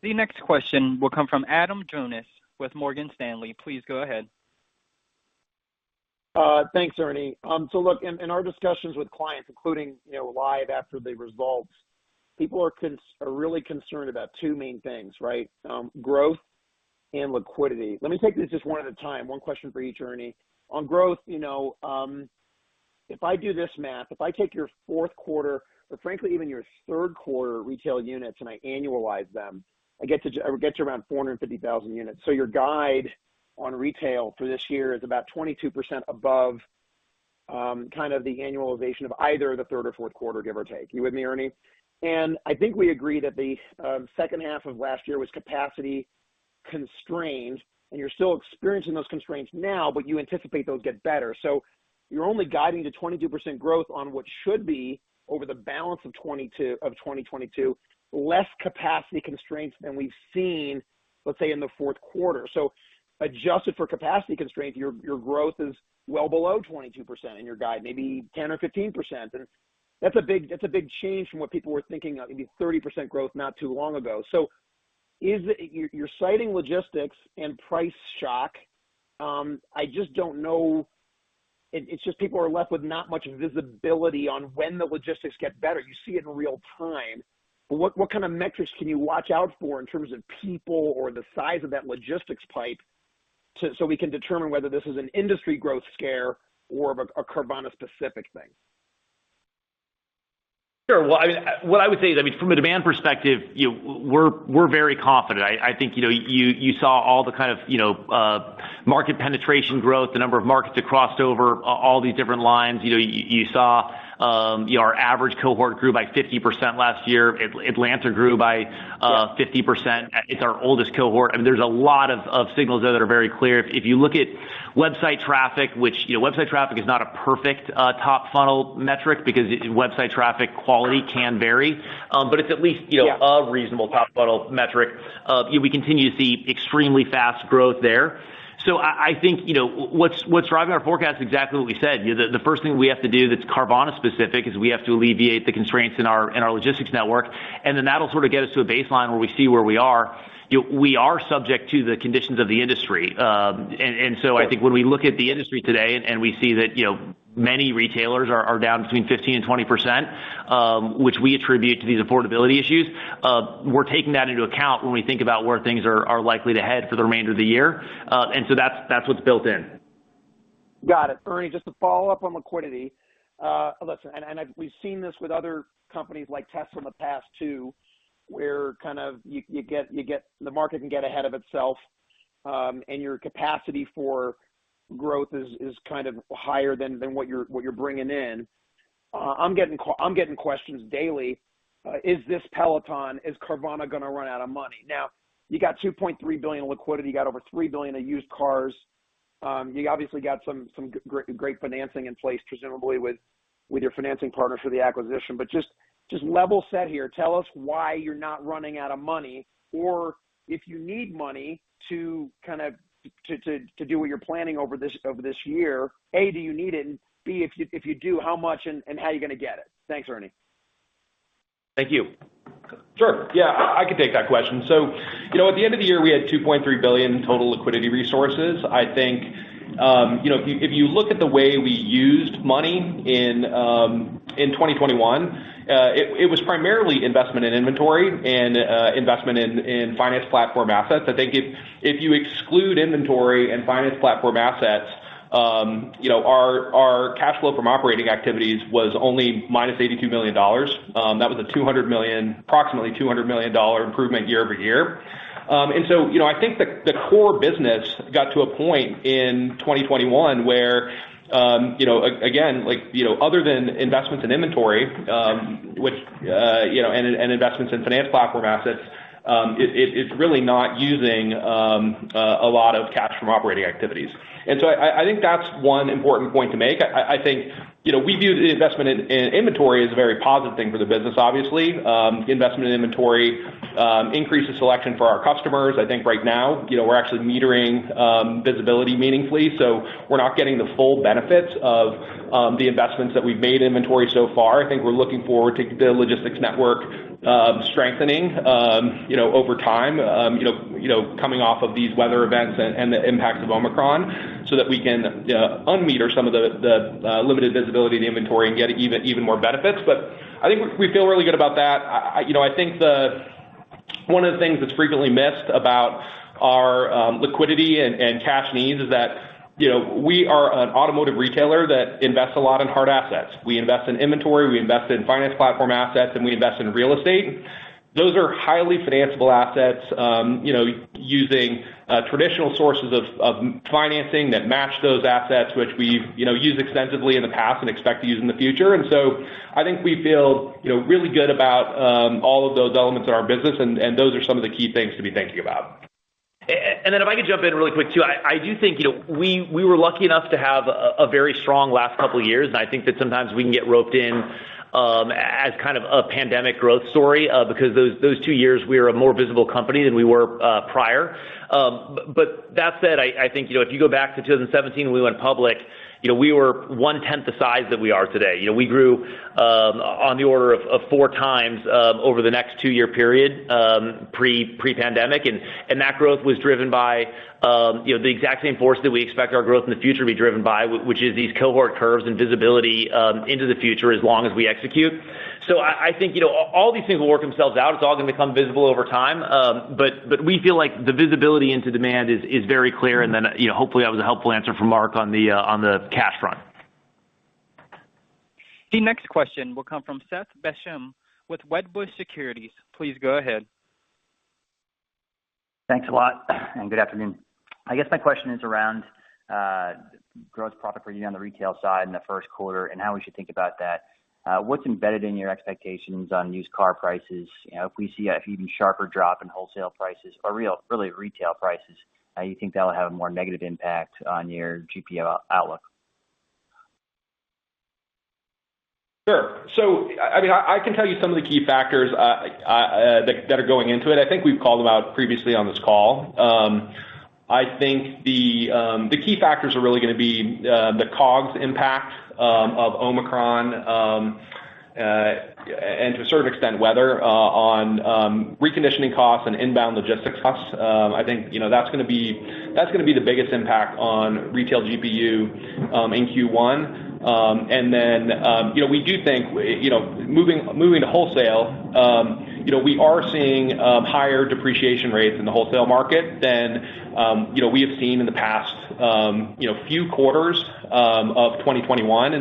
The next question will come from Adam Jonas with Morgan Stanley. Please go ahead. Thanks, Ernie. Look, in our discussions with clients including, you know, right after the results, people are really concerned about two main things, right? Growth and liquidity. Let me take these just one at a time, one question for each, Ernie. On growth, you know, if I do this math, if I take your fourth quarter, but frankly even your third quarter retail units and I annualize them, I get to around 450,000 units. Your guide on retail for this year is about 22% above Kind of the annualization of either the third or fourth quarter, give or take. You with me, Ernie? I think we agree that the second half of last year was capacity constrained, and you're still experiencing those constraints now, but you anticipate those get better. You're only guiding to 22% growth on what should be over the balance of 2022, less capacity constraints than we've seen, let's say, in the fourth quarter. Adjusted for capacity constraints, your growth is well below 22% in your guide, maybe 10% or 15%. That's a big change from what people were thinking, maybe 30% growth not too long ago. You're citing logistics and price shock. I just don't know. It's just people are left with not much visibility on when the logistics get better. You see it in real time. What kind of metrics can you watch out for in terms of people or the size of that logistics pipe to, so we can determine whether this is an industry growth scare or a Carvana specific thing? Sure. Well, I mean, what I would say is, I mean, from a demand perspective, you know, we're very confident. I think, you know, you saw all the kind of market penetration growth, the number of markets that crossed over all these different lines. You know, you saw our average cohort grew by 50% last year. Atlanta grew by 50%. It's our oldest cohort. I mean, there's a lot of signals there that are very clear. If you look at website traffic, which, you know, website traffic is not a perfect top funnel metric because website traffic quality can vary. But it's at least, you know, a reasonable top funnel metric. We continue to see extremely fast growth there. I think, you know, what's driving our forecast is exactly what we said. You know, the first thing we have to do that's Carvana specific is we have to alleviate the constraints in our logistics network, and then that'll sort of get us to a baseline where we see where we are. You know, we are subject to the conditions of the industry. I think when we look at the industry today and we see that, you know, many retailers are down between 15%-20%, which we attribute to these affordability issues, we're taking that into account when we think about where things are likely to head for the remainder of the year. That's what's built in. Got it. Ernie, just to follow up on liquidity. Listen, we've seen this with other companies like Tesla in the past too, where kind of you get the market can get ahead of itself, and your capacity for growth is kind of higher than what you're bringing in. I'm getting questions daily, is this Peloton? Is Carvana gonna run out of money? Now, you got $2.3 billion in liquidity, you got over $3 billion in used cars. You obviously got some great financing in place, presumably with your financing partner for the acquisition. Just level set here, tell us why you're not running out of money, or if you need money to kind of to do what you're planning over this year. A, do you need it? And B, if you do, how much and how are you gonna get it? Thanks, Ernie. Thank you. Sure. Yeah, I can take that question. You know, at the end of the year, we had $2.3 billion in total liquidity resources. I think, you know, if you look at the way we used money in 2021, it was primarily investment in inventory and investment in finance platform assets. I think if you exclude inventory and finance platform assets, you know, our cash flow from operating activities was only -$82 million. That was approximately $200 million dollar improvement year-over-year. You know, I think the core business got to a point in 2021 where, you know, again, like, you know, other than investments in inventory, which, you know, and investments in finance platform assets, it's really not using a lot of cash from operating activities. I think that's one important point to make. I think, you know, we view the investment in inventory as a very positive thing for the business, obviously. Investment in inventory increases selection for our customers. I think right now, you know, we're actually metering visibility meaningfully. We're not getting the full benefits of the investments that we've made in inventory so far. I think we're looking forward to the logistics network strengthening, you know, over time, coming off of these weather events and the impacts of Omicron so that we can unmeter some of the limited visibility of the inventory and get even more benefits. But I think we feel really good about that. You know, I think one of the things that's frequently missed about our liquidity and cash needs is that, you know, we are an automotive retailer that invests a lot in hard assets. We invest in inventory, we invest in finance platform assets, and we invest in real estate. Those are highly financeable assets, you know, using traditional sources of financing that match those assets, which we've, you know, used extensively in the past and expect to use in the future. I think we feel, you know, really good about all of those elements in our business, and those are some of the key things to be thinking about. If I could jump in really quick too. I do think, you know, we were lucky enough to have a very strong last couple of years, and I think that sometimes we can get roped in as kind of a pandemic growth story because those two years we were a more visible company than we were prior. But that said, I think, you know, if you go back to 2017 when we went public, you know, we were one-tenth the size that we are today. You know, we grew on the order of four times over the next two-year period pre-pandemic. That growth was driven by, you know, the exact same force that we expect our growth in the future to be driven by, which is these cohort curves and visibility into the future as long as we execute. I think, you know, all these things will work themselves out. It's all gonna become visible over time. But we feel like the visibility into demand is very clear. Then, you know, hopefully, that was a helpful answer from Mark on the cash front. The next question will come from Seth Basham with Wedbush Securities. Please go ahead. Thanks a lot. Good afternoon. I guess my question is around gross profit for you on the retail side in the first quarter, and how we should think about that. What's embedded in your expectations on used car prices? You know, if we see an even sharper drop in wholesale prices or really retail prices, you think that will have a more negative impact on your GPU outlook. Sure. I mean, I can tell you some of the key factors that are going into it. I think we've called them out previously on this call. I think the key factors are really gonna be the COGS impact of Omicron and to a certain extent, weather on reconditioning costs and inbound logistics costs. I think, you know, that's gonna be the biggest impact on retail GPU in Q1. You know, we do think, you know, moving to wholesale, you know, we are seeing higher depreciation rates in the wholesale market than, you know, we have seen in the past, you know, few quarters of 2021.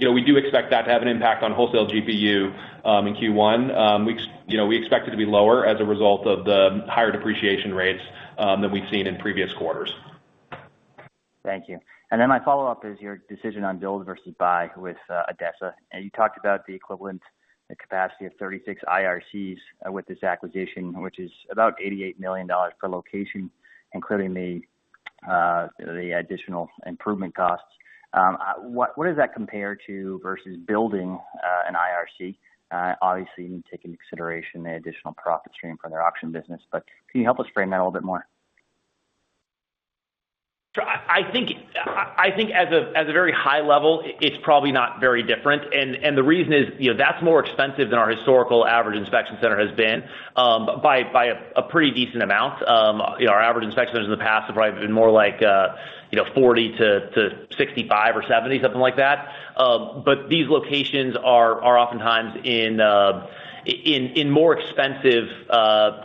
You know, we do expect that to have an impact on wholesale GPU in Q1. You know, we expect it to be lower as a result of the higher depreciation rates than we've seen in previous quarters. Thank you. Then my follow-up is your decision on build versus buy with ADESA. You talked about the equivalent, the capacity of 36 IRCs with this acquisition, which is about $88 million per location, including the additional improvement costs. What does that compare to versus building an IRC? Obviously, you need to take into consideration the additional profit stream for their auction business. Can you help us frame that a little bit more? Sure. I think as a very high level, it's probably not very different. The reason is, you know, that's more expensive than our historical average inspection center has been, by a pretty decent amount. You know, our average inspection in the past have probably been more like 40-65 or 70, something like that. These locations are oftentimes in more expensive,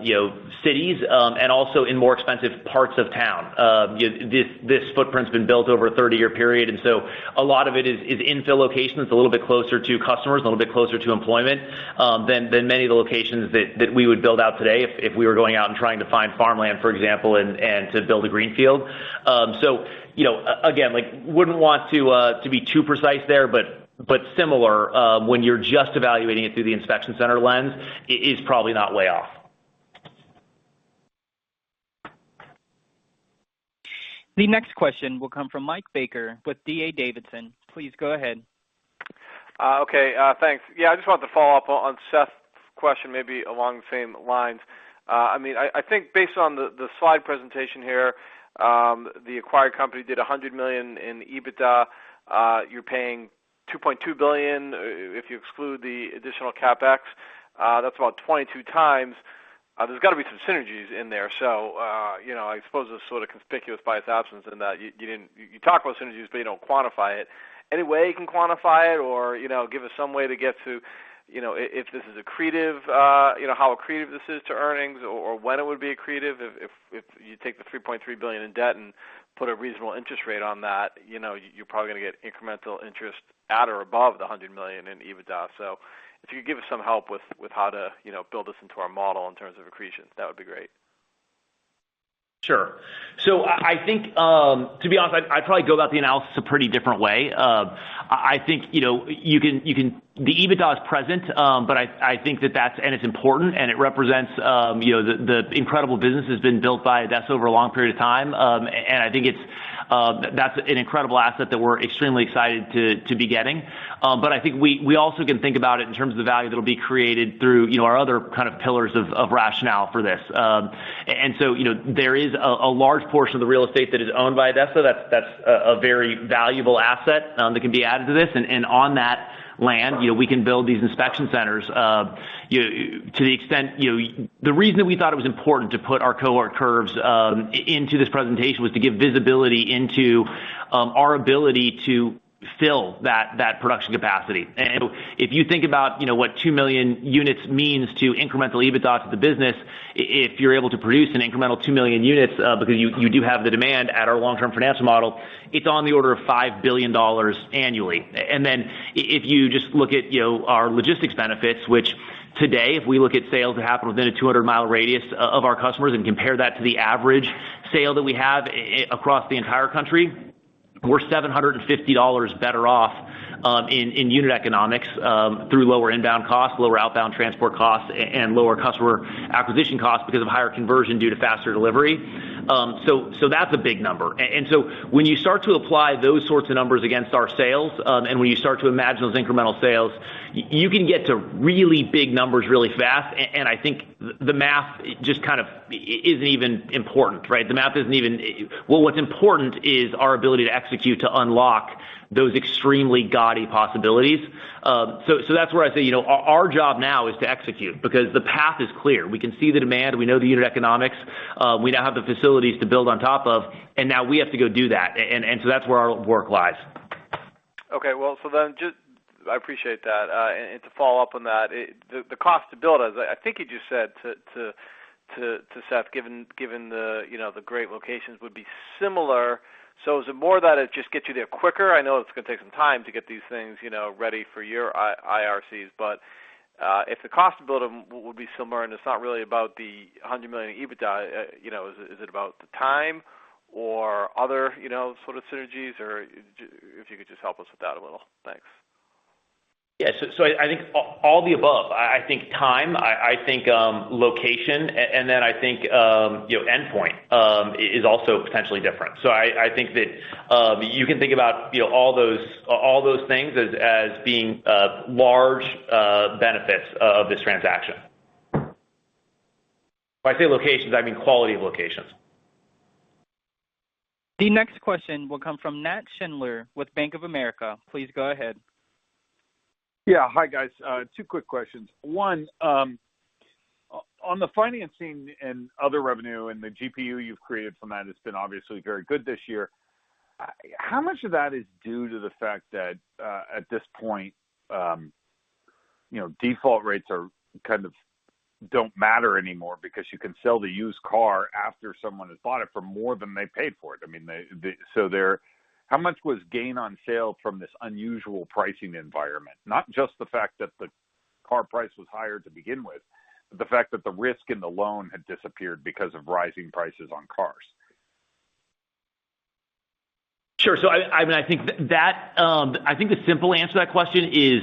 you know, cities, and also in more expensive parts of town. This footprint's been built over a 30-year period, and so a lot of it is infill locations. It's a little bit closer to customers, a little bit closer to employment, than many of the locations that we would build out today if we were going out and trying to find farmland, for example, and to build a greenfield. So, you know, again, like, wouldn't want to be too precise there, but similar, when you're just evaluating it through the inspection center lens, it's probably not way off. The next question will come from Mike Baker with D.A. Davidson. Please go ahead. Okay, thanks. Yeah. I just wanted to follow up on Seth's question, maybe along the same lines. I mean, I think based on the slide presentation here, the acquired company did $100 million in EBITDA. You're paying $2.2 billion if you exclude the additional CapEx, that's about 22x. There's got to be some synergies in there. You know, I suppose it's sort of conspicuous by its absence in that you didn't. You talk about synergies, but you don't quantify it. Any way you can quantify it or, you know, give us some way to get to, you know, if this is accretive, you know, how accretive this is to earnings or when it would be accretive if you take the $3.3 billion in debt and put a reasonable interest rate on that. You know, you're probably gonna get incremental interest at or above the 100 million in EBITDA. If you could give us some help with how to, you know, build this into our model in terms of accretion, that would be great. Sure. I think, to be honest, I'd probably go about the analysis a pretty different way. I think, you know, you can. The EBITDA is present, but I think that's, and it's important, and it represents, you know, the incredible business that's been built by ADESA over a long period of time. I think that's an incredible asset that we're extremely excited to be getting. But I think we also can think about it in terms of the value that'll be created through, you know, our other kind of pillars of rationale for this. You know, there is a large portion of the real estate that is owned by ADESA. That's a very valuable asset that can be added to this. On that land, you know, we can build these inspection centers. To the extent, you know, the reason we thought it was important to put our cohort curves into this presentation was to give visibility into our ability to fill that production capacity. If you think about, you know, what 2 million units means to incremental EBITDA to the business, if you're able to produce an incremental 2 million units, because you do have the demand at our long-term financial model, it's on the order of $5 billion annually. If you just look at, you know, our logistics benefits, which today, if we look at sales that happen within a 200-mile radius of our customers and compare that to the average sale that we have across the entire country, we're $750 better off in unit economics through lower inbound costs, lower outbound transport costs, and lower customer acquisition costs because of higher conversion due to faster delivery. That's a big number. When you start to apply those sorts of numbers against our sales and when you start to imagine those incremental sales, you can get to really big numbers really fast. I think the math just kind of isn't even important, right? Well, what's important is our ability to execute to unlock those extremely gaudy possibilities. That's where I say, you know, our job now is to execute because the path is clear. We can see the demand. We know the unit economics. We now have the facilities to build on top of, and now we have to go do that. That's where our work lies. Okay. Well, just, I appreciate that. To follow up on that, the cost to build, as I think you just said to Seth, given the, you know, the great locations would be similar. Is it more that it just gets you there quicker? I know it's gonna take some time to get these things, you know, ready for your IRCs. But if the cost build would be similar and it's not really about the $100 million EBITDA, you know, is it about the time or other, you know, sort of synergies? If you could just help us with that a little. Thanks. Yeah. I think all the above. I think time, location and then endpoint is also potentially different. I think that you can think about you know all those things as being large benefits of this transaction. When I say locations, I mean quality of locations. The next question will come from Nat Schindler with Bank of America. Please go ahead. Yeah. Hi, guys. Two quick questions. One, on the financing and other revenue and the GPU you've created from that, it's been obviously very good this year. How much of that is due to the fact that at this point you know default rates are kind of don't matter anymore because you can sell the used car after someone has bought it for more than they paid for it. How much was gain on sale from this unusual pricing environment? Not just the fact that the car price was higher to begin with, but the fact that the risk in the loan had disappeared because of rising prices on cars. I mean, I think the simple answer to that question is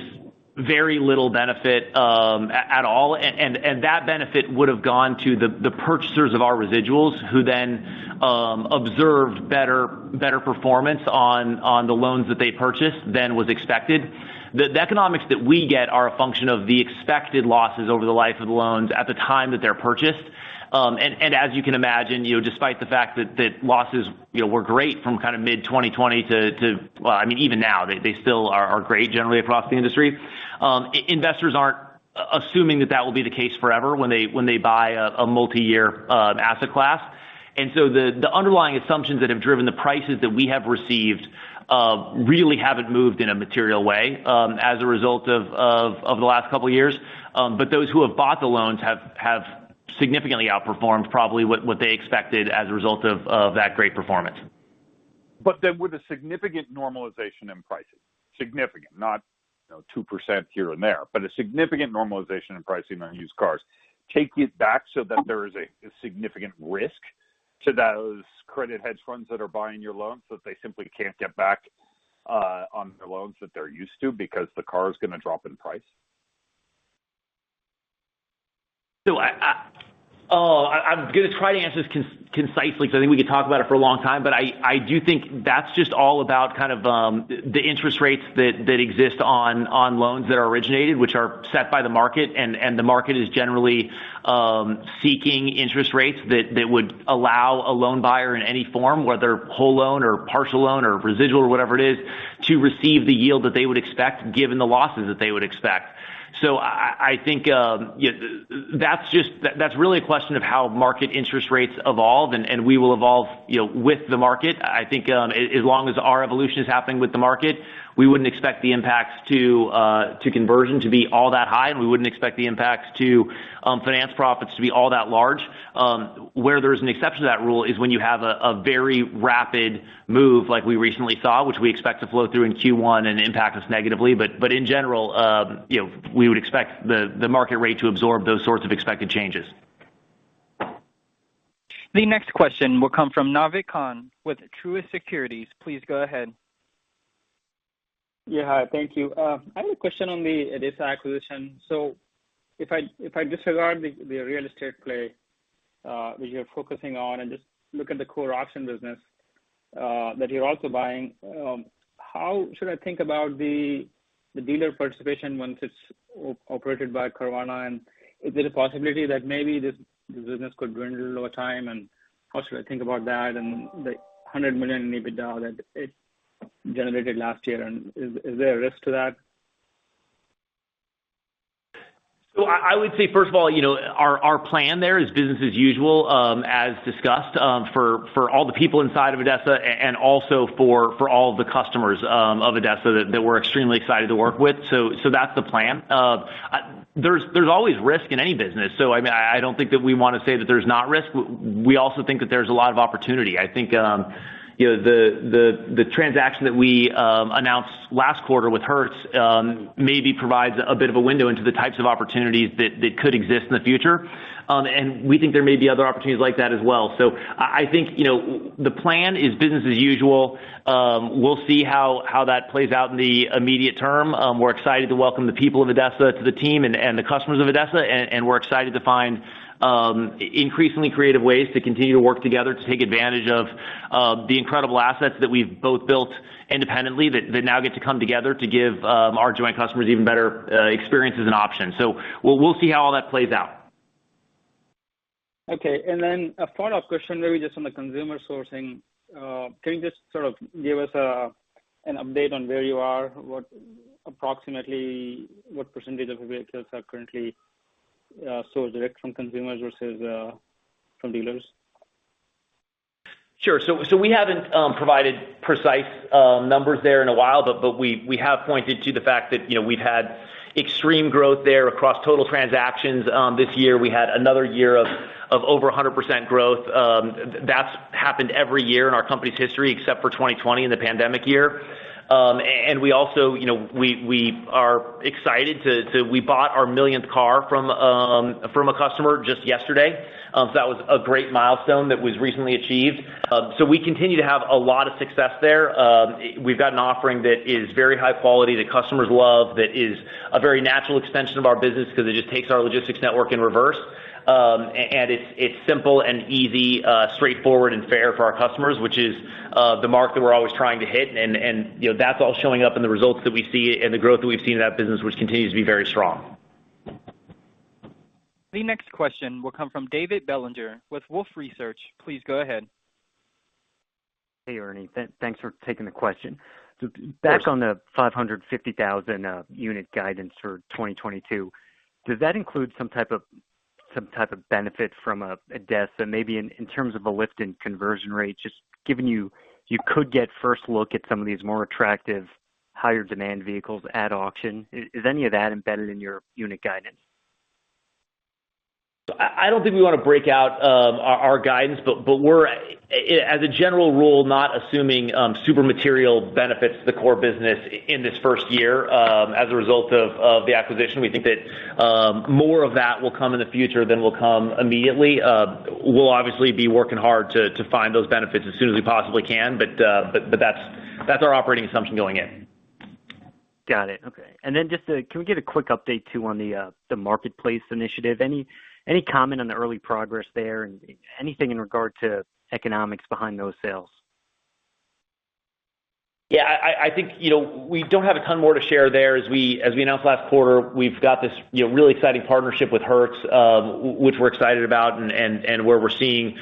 very little benefit at all. That benefit would have gone to the purchasers of our residuals, who then observed better performance on the loans that they purchased than was expected. The economics that we get are a function of the expected losses over the life of the loans at the time that they're purchased. As you can imagine, you know, despite the fact that losses were great from kind of mid-2020 to well, even now, they still are great generally across the industry. Investors aren't assuming that will be the case forever when they buy a multiyear asset class. The underlying assumptions that have driven the prices that we have received really haven't moved in a material way as a result of the last couple of years. Those who have bought the loans have significantly outperformed probably what they expected as a result of that great performance. With a significant normalization in pricing, not you know 2% here and there, but a significant normalization in pricing on used cars, take it back so that there is a significant risk to those credit hedge funds that are buying your loans, that they simply can't get back on the loans that they're used to because the car is gonna drop in price. I... Oh, I'm gonna try to answer this concisely because I think we could talk about it for a long time. I do think that's just all about kind of the interest rates that exist on loans that are originated, which are set by the market. The market is generally seeking interest rates that would allow a loan buyer in any form, whether whole loan or partial loan or residual or whatever it is, to receive the yield that they would expect, given the losses that they would expect. I think, you know, that's just that's really a question of how market interest rates evolve, and we will evolve, you know, with the market. I think, as long as our evolution is happening with the market, we wouldn't expect the impacts to conversion to be all that high, and we wouldn't expect the impacts to finance profits to be all that large. Where there is an exception to that rule is when you have a very rapid move like we recently saw, which we expect to flow through in Q1 and impact us negatively. In general, you know, we would expect the market rate to absorb those sorts of expected changes. The next question will come from Naved Khan with Truist Securities. Please go ahead. Yeah. Hi. Thank you. I had a question on the ADESA acquisition. If I disregard the real estate play that you're focusing on and just look at the core auction business that you're also buying, how should I think about the dealer participation once it's operated by Carvana? And is there a possibility that maybe this business could dwindle over time, and how should I think about that and the 100 million in EBITDA that it generated last year? And is there a risk to that? I would say, first of all, you know, our plan there is business as usual, as discussed, for all the people inside of ADESA and also for all the customers of ADESA that we're extremely excited to work with. That's the plan. There's always risk in any business. I mean, I don't think that we wanna say that there's not risk. We also think that there's a lot of opportunity. I think, you know, the transaction that we announced last quarter with Hertz maybe provides a bit of a window into the types of opportunities that could exist in the future. We think there may be other opportunities like that as well. I think, you know, the plan is business as usual. We'll see how that plays out in the immediate term. We're excited to welcome the people of ADESA to the team and the customers of ADESA. We're excited to find increasingly creative ways to continue to work together to take advantage of the incredible assets that we've both built independently that now get to come together to give our joint customers even better experiences and options. We'll see how all that plays out. Okay. A follow-up question, maybe just on the consumer sourcing. Can you just sort of give us an update on where you are? What approximate percentage of vehicles are currently sold direct from consumers versus from dealers? Sure. We haven't provided precise numbers there in a while, but we have pointed to the fact that, you know, we've had extreme growth there across total transactions. This year, we had another year of over 100% growth. That's happened every year in our company's history, except for 2020 in the pandemic year. We also, you know, we bought our millionth car from a customer just yesterday. That was a great milestone that was recently achieved. We continue to have a lot of success there. We've got an offering that is very high quality, that customers love, that is a very natural extension of our business because it just takes our logistics network in reverse. It's simple and easy, straightforward and fair for our customers, which is the mark that we're always trying to hit. You know, that's all showing up in the results that we see and the growth that we've seen in that business, which continues to be very strong. The next question will come from David Bellinger with Wolfe Research. Please go ahead. Hey, Ernie. Thanks for taking the question. Back on the 550,000 unit guidance for 2022, does that include some type of benefit from ADESA maybe in terms of a lift in conversion rate, just given you could get first look at some of these more attractive, higher demand vehicles at auction? Is any of that embedded in your unit guidance? I don't think we wanna break out our guidance, but as a general rule, we're not assuming super material benefits to the core business in this first year as a result of the acquisition. We think that more of that will come in the future than will come immediately. We'll obviously be working hard to find those benefits as soon as we possibly can. That's our operating assumption going in. Got it. Okay. Can we get a quick update, too, on the marketplace initiative? Any comment on the early progress there and anything in regard to economics behind those sales? Yeah, I think, you know, we don't have a ton more to share there. As we announced last quarter, we've got this, you know, really exciting partnership with Hertz, which we're excited about and where we're seeing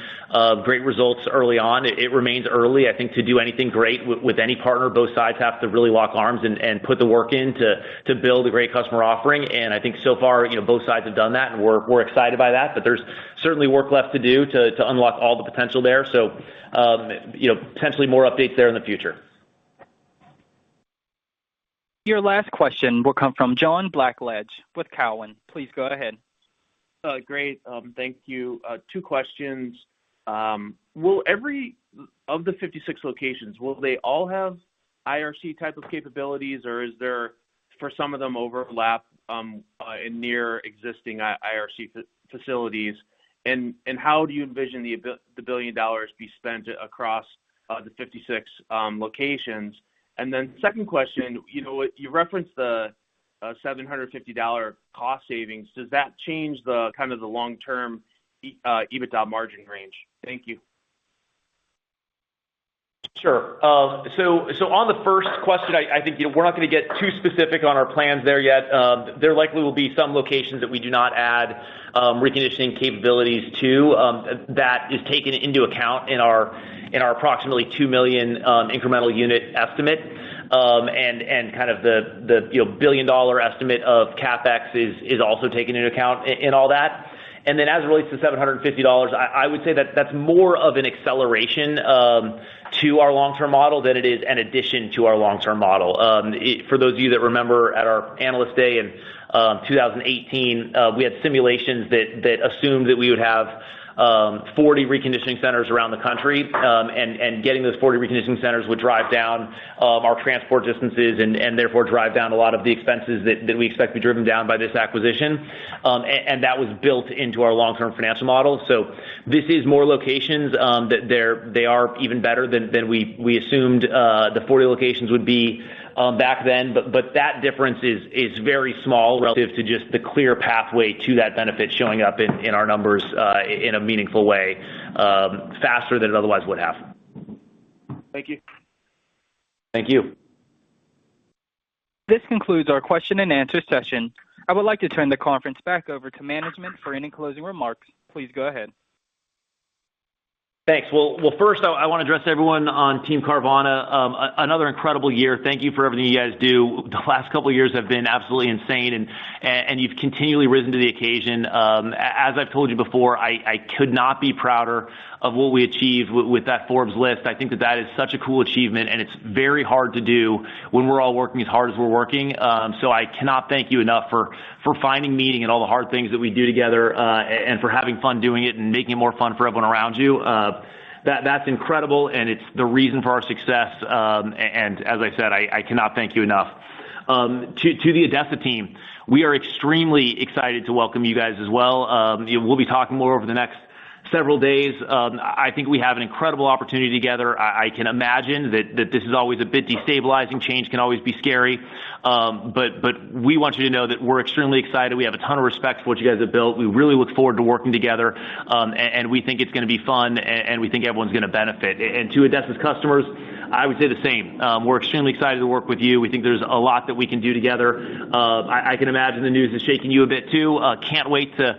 great results early on. It remains early. I think to do anything great with any partner, both sides have to really lock arms and put the work in to build a great customer offering. I think so far, you know, both sides have done that, and we're excited by that. But there's certainly work left to do to unlock all the potential there. You know, potentially more updates there in the future. Your last question will come from John Blackledge with Cowen. Please go ahead. Great. Thank you. Two questions. Of the 56 locations, will they all have IRC type of capabilities, or is there for some of them overlap near existing IRC facilities? How do you envision the $1 billion be spent across the 56 locations? Then second question, you know, you referenced the $750 cost savings. Does that change the kind of the long-term EBITDA margin range? Thank you. Sure. So on the first question, I think, you know, we're not gonna get too specific on our plans there yet. There likely will be some locations that we do not add reconditioning capabilities to. That is taken into account in our approximately 2 million incremental unit estimate. Kind of the, you know, billion-dollar estimate of CapEx is also taken into account in all that. As it relates to $750, I would say that that's more of an acceleration to our long-term model than it is an addition to our long-term model. For those of you that remember at our Analyst Day in 2018, we had simulations that assumed that we would have 40 reconditioning centers around the country. Getting those 40 reconditioning centers would drive down our transport distances and therefore drive down a lot of the expenses that we expect to be driven down by this acquisition. That was built into our long-term financial model. This is more locations that they are even better than we assumed the 40 locations would be back then. That difference is very small relative to just the clear pathway to that benefit showing up in our numbers in a meaningful way faster than it otherwise would have. Thank you. Thank you. This concludes our question-and-answer session. I would like to turn the conference back over to management for any closing remarks. Please go ahead. Thanks. Well, first, I wanna address everyone on Team Carvana. Another incredible year. Thank you for everything you guys do. The last couple of years have been absolutely insane, and you've continually risen to the occasion. As I've told you before, I could not be prouder of what we achieved with that Forbes list. I think that is such a cool achievement, and it's very hard to do when we're all working as hard as we're working. I cannot thank you enough for finding meaning in all the hard things that we do together, and for having fun doing it and making it more fun for everyone around you. That's incredible, and it's the reason for our success. As I said, I cannot thank you enough. To the ADESA team, we are extremely excited to welcome you guys as well. We'll be talking more over the next several days. I think we have an incredible opportunity together. I can imagine that this is always a bit destabilizing. Change can always be scary. We want you to know that we're extremely excited. We have a ton of respect for what you guys have built. We really look forward to working together. We think it's gonna be fun, and we think everyone's gonna benefit. To ADESA's customers, I would say the same. We're extremely excited to work with you. We think there's a lot that we can do together. I can imagine the news is shaking you a bit too. Can't wait to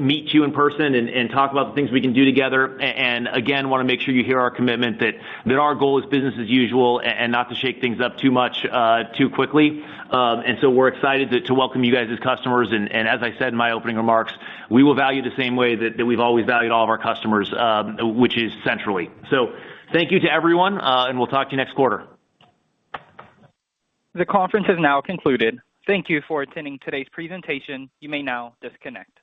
meet you in person and talk about the things we can do together. Again, wanna make sure you hear our commitment that our goal is business as usual and not to shake things up too much, too quickly. We're excited to welcome you guys as customers. As I said in my opening remarks, we will value the same way that we've always valued all of our customers, which is centrally. Thank you to everyone, and we'll talk to you next quarter. The conference has now concluded. Thank you for attending today's presentation. You may now disconnect.